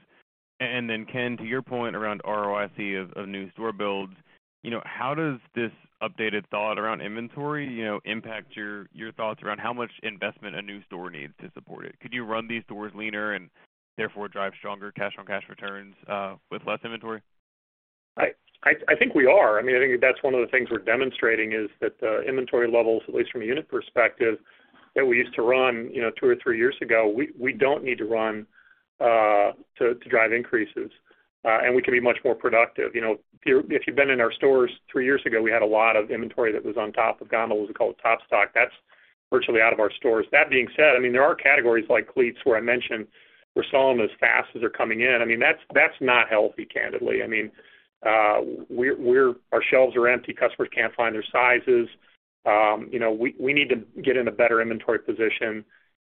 Then, Ken, to your point around ROIC of new store builds, you know, how does this updated thought around inventory, you know, impact your thoughts around how much investment a new store needs to support it? Could you run these stores leaner and therefore drive stronger cash-on-cash returns with less inventory? I think we are. I mean, I think that's one of the things we're demonstrating is that inventory levels, at least from a unit perspective, that we used to run, you know, two or three years ago, we don't need to run to drive increases. We can be much more productive. You know, if you've been in our stores three years ago, we had a lot of inventory that was on top of gondolas. We call it top stock. That's virtually out of our stores. That being said, I mean, there are categories like cleats, where I mentioned we're selling as fast as they're coming in. I mean, that's not healthy, candidly. I mean, we're our shelves are empty. Customers can't find their sizes. You know, we need to get in a better inventory position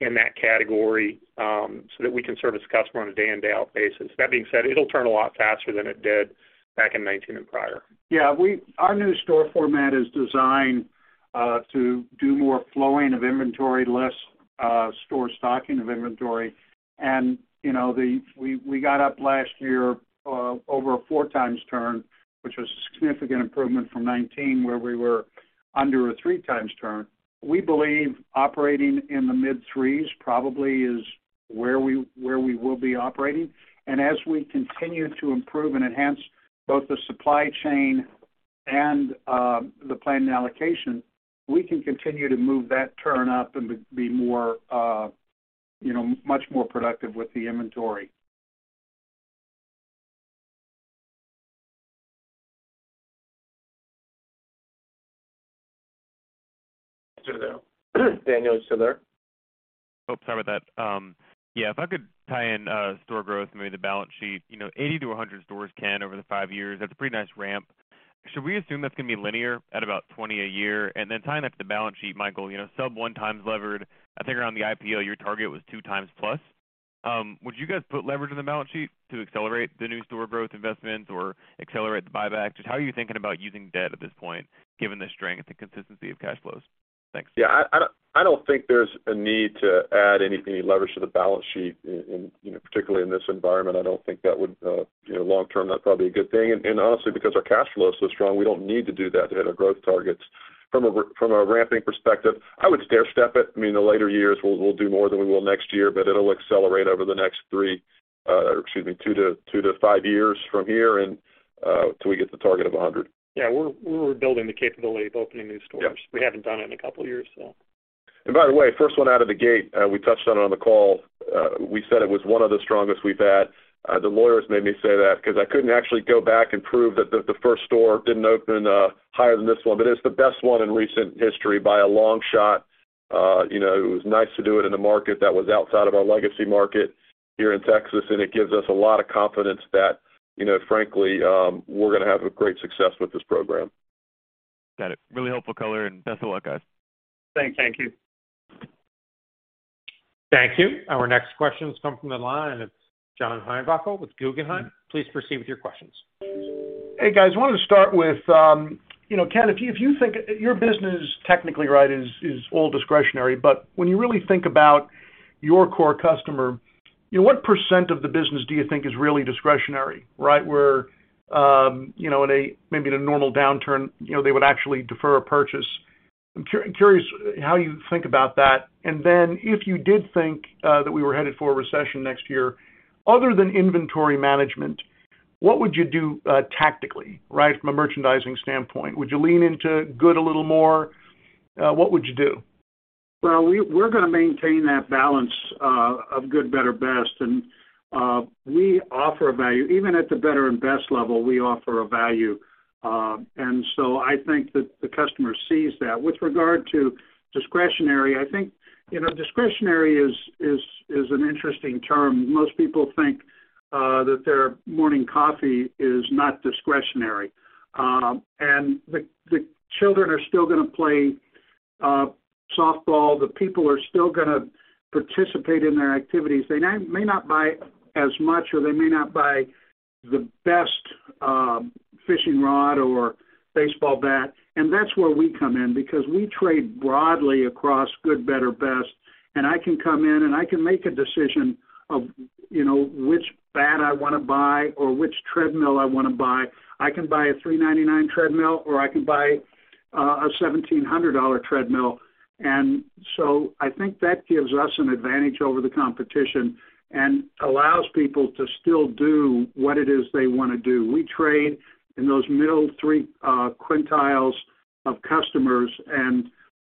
in that category, so that we can service customers on a day in, day out basis. That being said, it'll turn a lot faster than it did back in 2019 and prior. Yeah. Our new store format is designed to do more flowing of inventory, less store stocking of inventory. You know, we got up last year over a 4x turn, which was a significant improvement from 2019 where we were under a 3x turn. We believe operating in the mid-3s probably is where we will be operating. As we continue to improve and enhance both the supply chain and the planning allocation, we can continue to move that turn up and be more, you know, much more productive with the inventory. Daniel, you still there? Oh, sorry about that. Yeah, if I could tie in, store growth, maybe the balance sheet. You know, 80-100 stores, Ken, over the five years, that's a pretty nice ramp. Should we assume that's gonna be linear at about 20 a year? Then tying up the balance sheet, Michael, you know, sub 1x levered. I think around the IPO, your target was 2x plus. Would you guys put leverage on the balance sheet to accelerate the new store growth investments or accelerate the buybacks? Just how are you thinking about using debt at this point, given the strength and consistency of cash flows? Yeah, I don't think there's a need to add any leverage to the balance sheet in, you know, particularly in this environment. I don't think that would, you know, long-term, that's probably a good thing. Honestly, because our cash flow is so strong, we don't need to do that to hit our growth targets. From a ramping perspective, I would stair-step it. I mean, the later years we'll do more than we will next year, but it'll accelerate over the next three, excuse me, two to five years from here and till we get to the target of a hundred. Yeah. We're building the capability of opening new stores. Yep. We haven't done it in a couple years, so. By the way, first one out of the gate, we touched on it on the call. We said it was one of the strongest we've had. The lawyers made me say that because I couldn't actually go back and prove that the first store didn't open higher than this one. But it's the best one in recent history by a long shot. You know, it was nice to do it in a market that was outside of our legacy market here in Texas, and it gives us a lot of confidence that, you know, frankly, we're gonna have a great success with this program. Got it. Really helpful color, and best of luck, guys. Thank you. Thank you. Thank you. Our next question comes from the line of John Heinbockel with Guggenheim. Please proceed with your questions. Hey, guys. I wanted to start with, you know, Ken, if you think your business technically, right, is all discretionary, but when you really think about your core customer, you know, what percent of the business do you think is really discretionary, right, where maybe in a normal downturn, you know, they would actually defer a purchase. I'm curious how you think about that. Then if you did think that we were headed for a recession next year, other than inventory management, what would you do tactically, right, from a merchandising standpoint? Would you lean into good, a little more? What would you do? Well, we're gonna maintain that balance of good, better, best. We offer a value. Even at the better and best level, we offer a value. I think that the customer sees that. With regard to discretionary, I think, you know, discretionary is an interesting term. Most people think that their morning coffee is not discretionary. The children are still gonna play softball. The people are still gonna participate in their activities. They may not buy as much, or they may not buy the best fishing rod or baseball bat. That's where we come in because we trade broadly across good, better, best, and I can come in, and I can make a decision of, you know, which bat I wanna buy or which treadmill I wanna buy. I can buy a $399 treadmill, or I can buy a $1,700 treadmill. I think that gives us an advantage over the competition and allows people to still do what it is they wanna do. We trade in those middle three quintiles of customers, and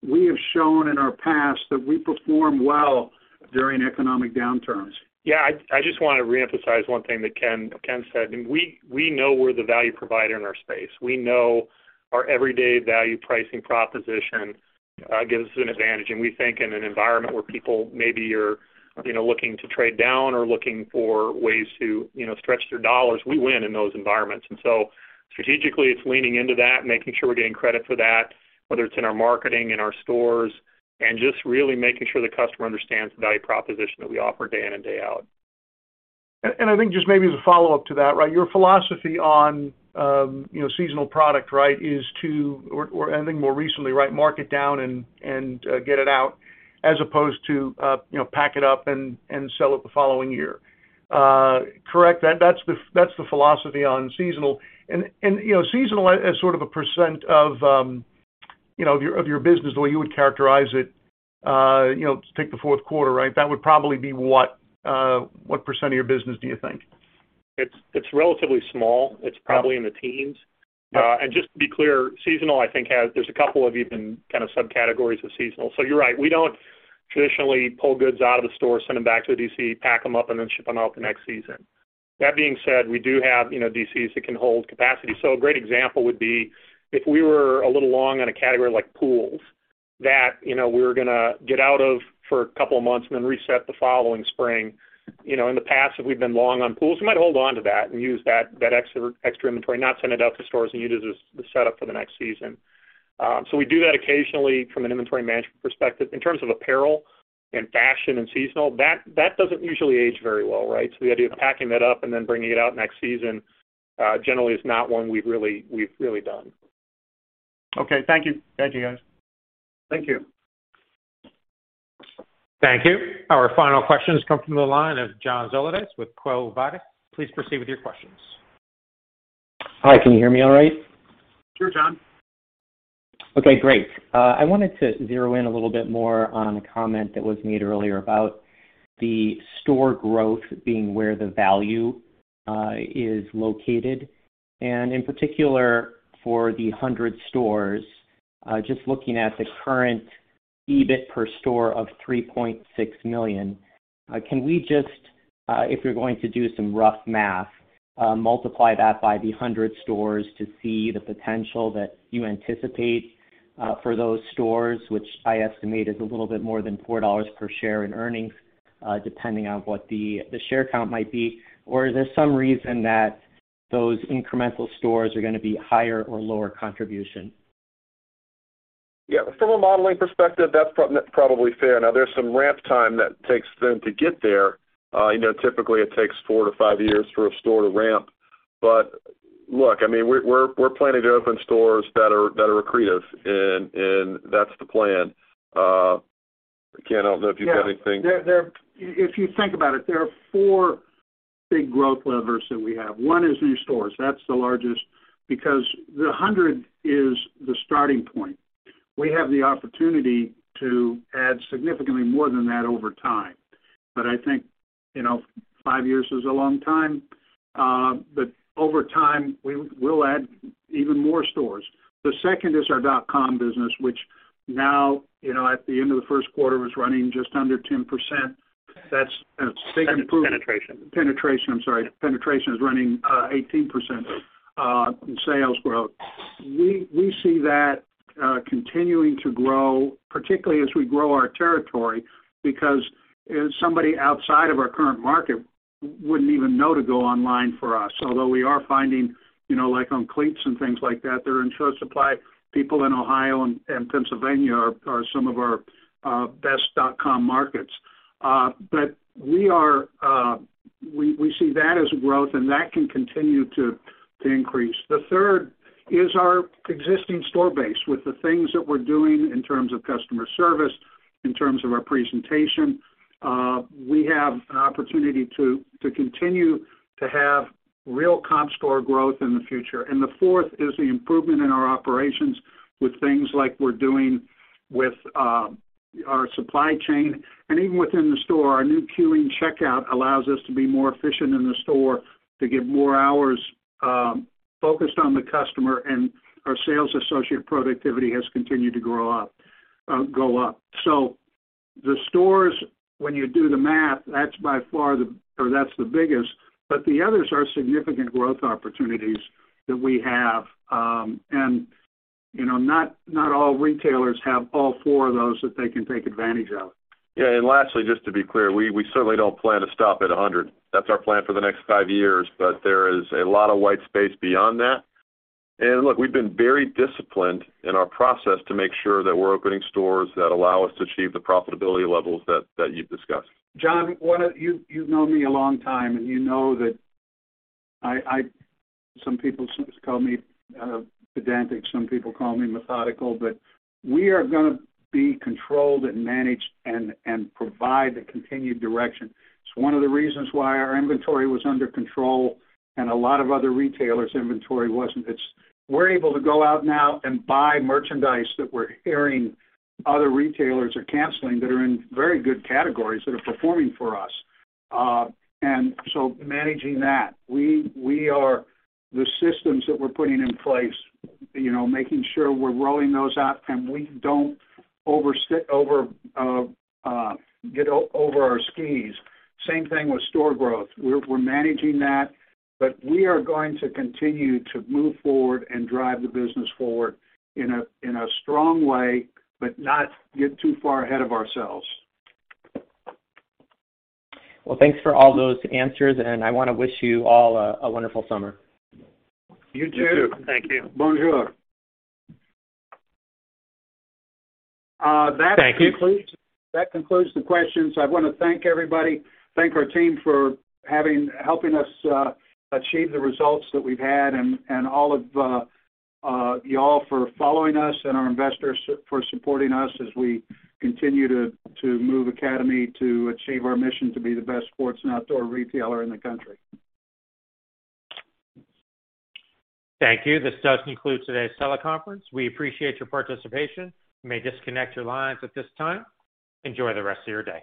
we have shown in our past that we perform well during economic downturns. Yeah. I just wanna reemphasize one thing that Ken said. We know we're the value provider in our space. We know our everyday value pricing proposition gives us an advantage. We think in an environment where people maybe are, you know, looking to trade down or looking for ways to, you know, stretch their dollars, we win in those environments. Strategically, it's leaning into that and making sure we're getting credit for that, whether it's in our marketing, in our stores, and just really making sure the customer understands the value proposition that we offer day in and day out. I think just maybe as a follow-up to that, right? Your philosophy on, you know, seasonal product, right, is to, or I think more recently, right, mark it down and get it out as opposed to, you know, pack it up and sell it the following year. Correct? That's the philosophy on seasonal. You know, seasonal as sort of a percent of, you know, your business the way you would characterize it, you know, take the fourth quarter, right? That would probably be what percent of your business do you think? It's relatively small. It's probably in the teens. Just to be clear, seasonal I think has a couple of even kind of subcategories of seasonal. You're right, we don't traditionally pull goods out of the store, send them back to a DC, pack them up, and then ship them out the next season. That being said, we do have, you know, DCs that can hold capacity. A great example would be if we were a little long on a category like pools that, you know, we're gonna get out of for a couple of months and then reset the following spring. You know, in the past, if we've been long on pools, we might hold on to that and use that extra inventory, not send it out to stores and use as the setup for the next season. We do that occasionally from an inventory management perspective. In terms of apparel and fashion and seasonal, that doesn't usually age very well, right? The idea of packing that up and then bringing it out next season, generally is not one we've really done. Okay. Thank you, guys. Thank you. Thank you. Our final question comes from the line of John Zolidis with Quo Vadis Capital. Please proceed with your questions. Hi. Can you hear me all right? Sure, John. Okay, great. I wanted to zero in a little bit more on a comment that was made earlier about the store growth being where the value is located. In particular for the 100 stores, just looking at the current EBIT per store of $3.6 million, can we just, if you're going to do some rough math, multiply that by the 100 stores to see the potential that you anticipate for those stores, which I estimate is a little bit more than $4 per share in earnings, depending on what the share count might be. Or is there some reason that those incremental stores are gonna be higher or lower contribution? Yeah. From a modeling perspective, that's probably fair. Now, there's some ramp time that takes them to get there. You know, typically it takes 4-5 years for a store to ramp. Look, I mean, we're planning to open stores that are accretive and that's the plan. Again, I don't know if you've got anything. If you think about it, there are four big growth levers that we have. One is new stores. That's the largest because the 100 is the starting point. We have the opportunity to add significantly more than that over time. I think, you know, 5 years is a long time. Over time, we'll add even more stores. The second is our dot-com business, which now, you know, at the end of the first quarter, was running just under 10%. That's a big improvement. That's penetration. Penetration is running 18% in sales growth. We see that continuing to grow, particularly as we grow our territory because, you know, somebody outside of our current market wouldn't even know to go online for us. Although we are finding, you know, like on cleats and things like that, they're in short supply. People in Ohio and Pennsylvania are some of our best dot-com markets. We see that as growth and that can continue to increase. The third is our existing store base with the things that we're doing in terms of customer service, in terms of our presentation. We have an opportunity to continue to have real comp store growth in the future. The fourth is the improvement in our operations with things like we're doing with our supply chain. Even within the store, our new queuing checkout allows us to be more efficient in the store to give more hours focused on the customer, and our sales associate productivity has continued to go up. The stores, when you do the math, that's by far the biggest. The others are significant growth opportunities that we have. You know, not all retailers have all four of those that they can take advantage of. Yeah. Lastly, just to be clear, we certainly don't plan to stop at 100. That's our plan for the next five years, but there is a lot of white space beyond that. Look, we've been very disciplined in our process to make sure that we're opening stores that allow us to achieve the profitability levels that you've discussed. John, you've known me a long time, and you know that some people call me pedantic, some people call me methodical, but we are gonna be controlled and managed and provide the continued direction. It's one of the reasons why our inventory was under control and a lot of other retailers' inventory wasn't. We're able to go out now and buy merchandise that we're hearing other retailers are canceling that are in very good categories that are performing for us. Managing that. We are putting the systems in place, you know, making sure we're rolling those out and we don't get over our skis. Same thing with store growth. We're managing that, but we are going to continue to move forward and drive the business forward in a strong way, but not get too far ahead of ourselves. Well, thanks for all those answers, and I wanna wish you all a wonderful summer. You too. Thank you. Bonjour. Thank you. That concludes the questions. I wanna thank everybody. Thank our team for helping us achieve the results that we've had and all of y'all for following us and our investors for supporting us as we continue to move Academy to achieve our mission to be the best sports and outdoor retailer in the country. Thank you. This does conclude today's teleconference. We appreciate your participation. You may disconnect your lines at this time. Enjoy the rest of your day.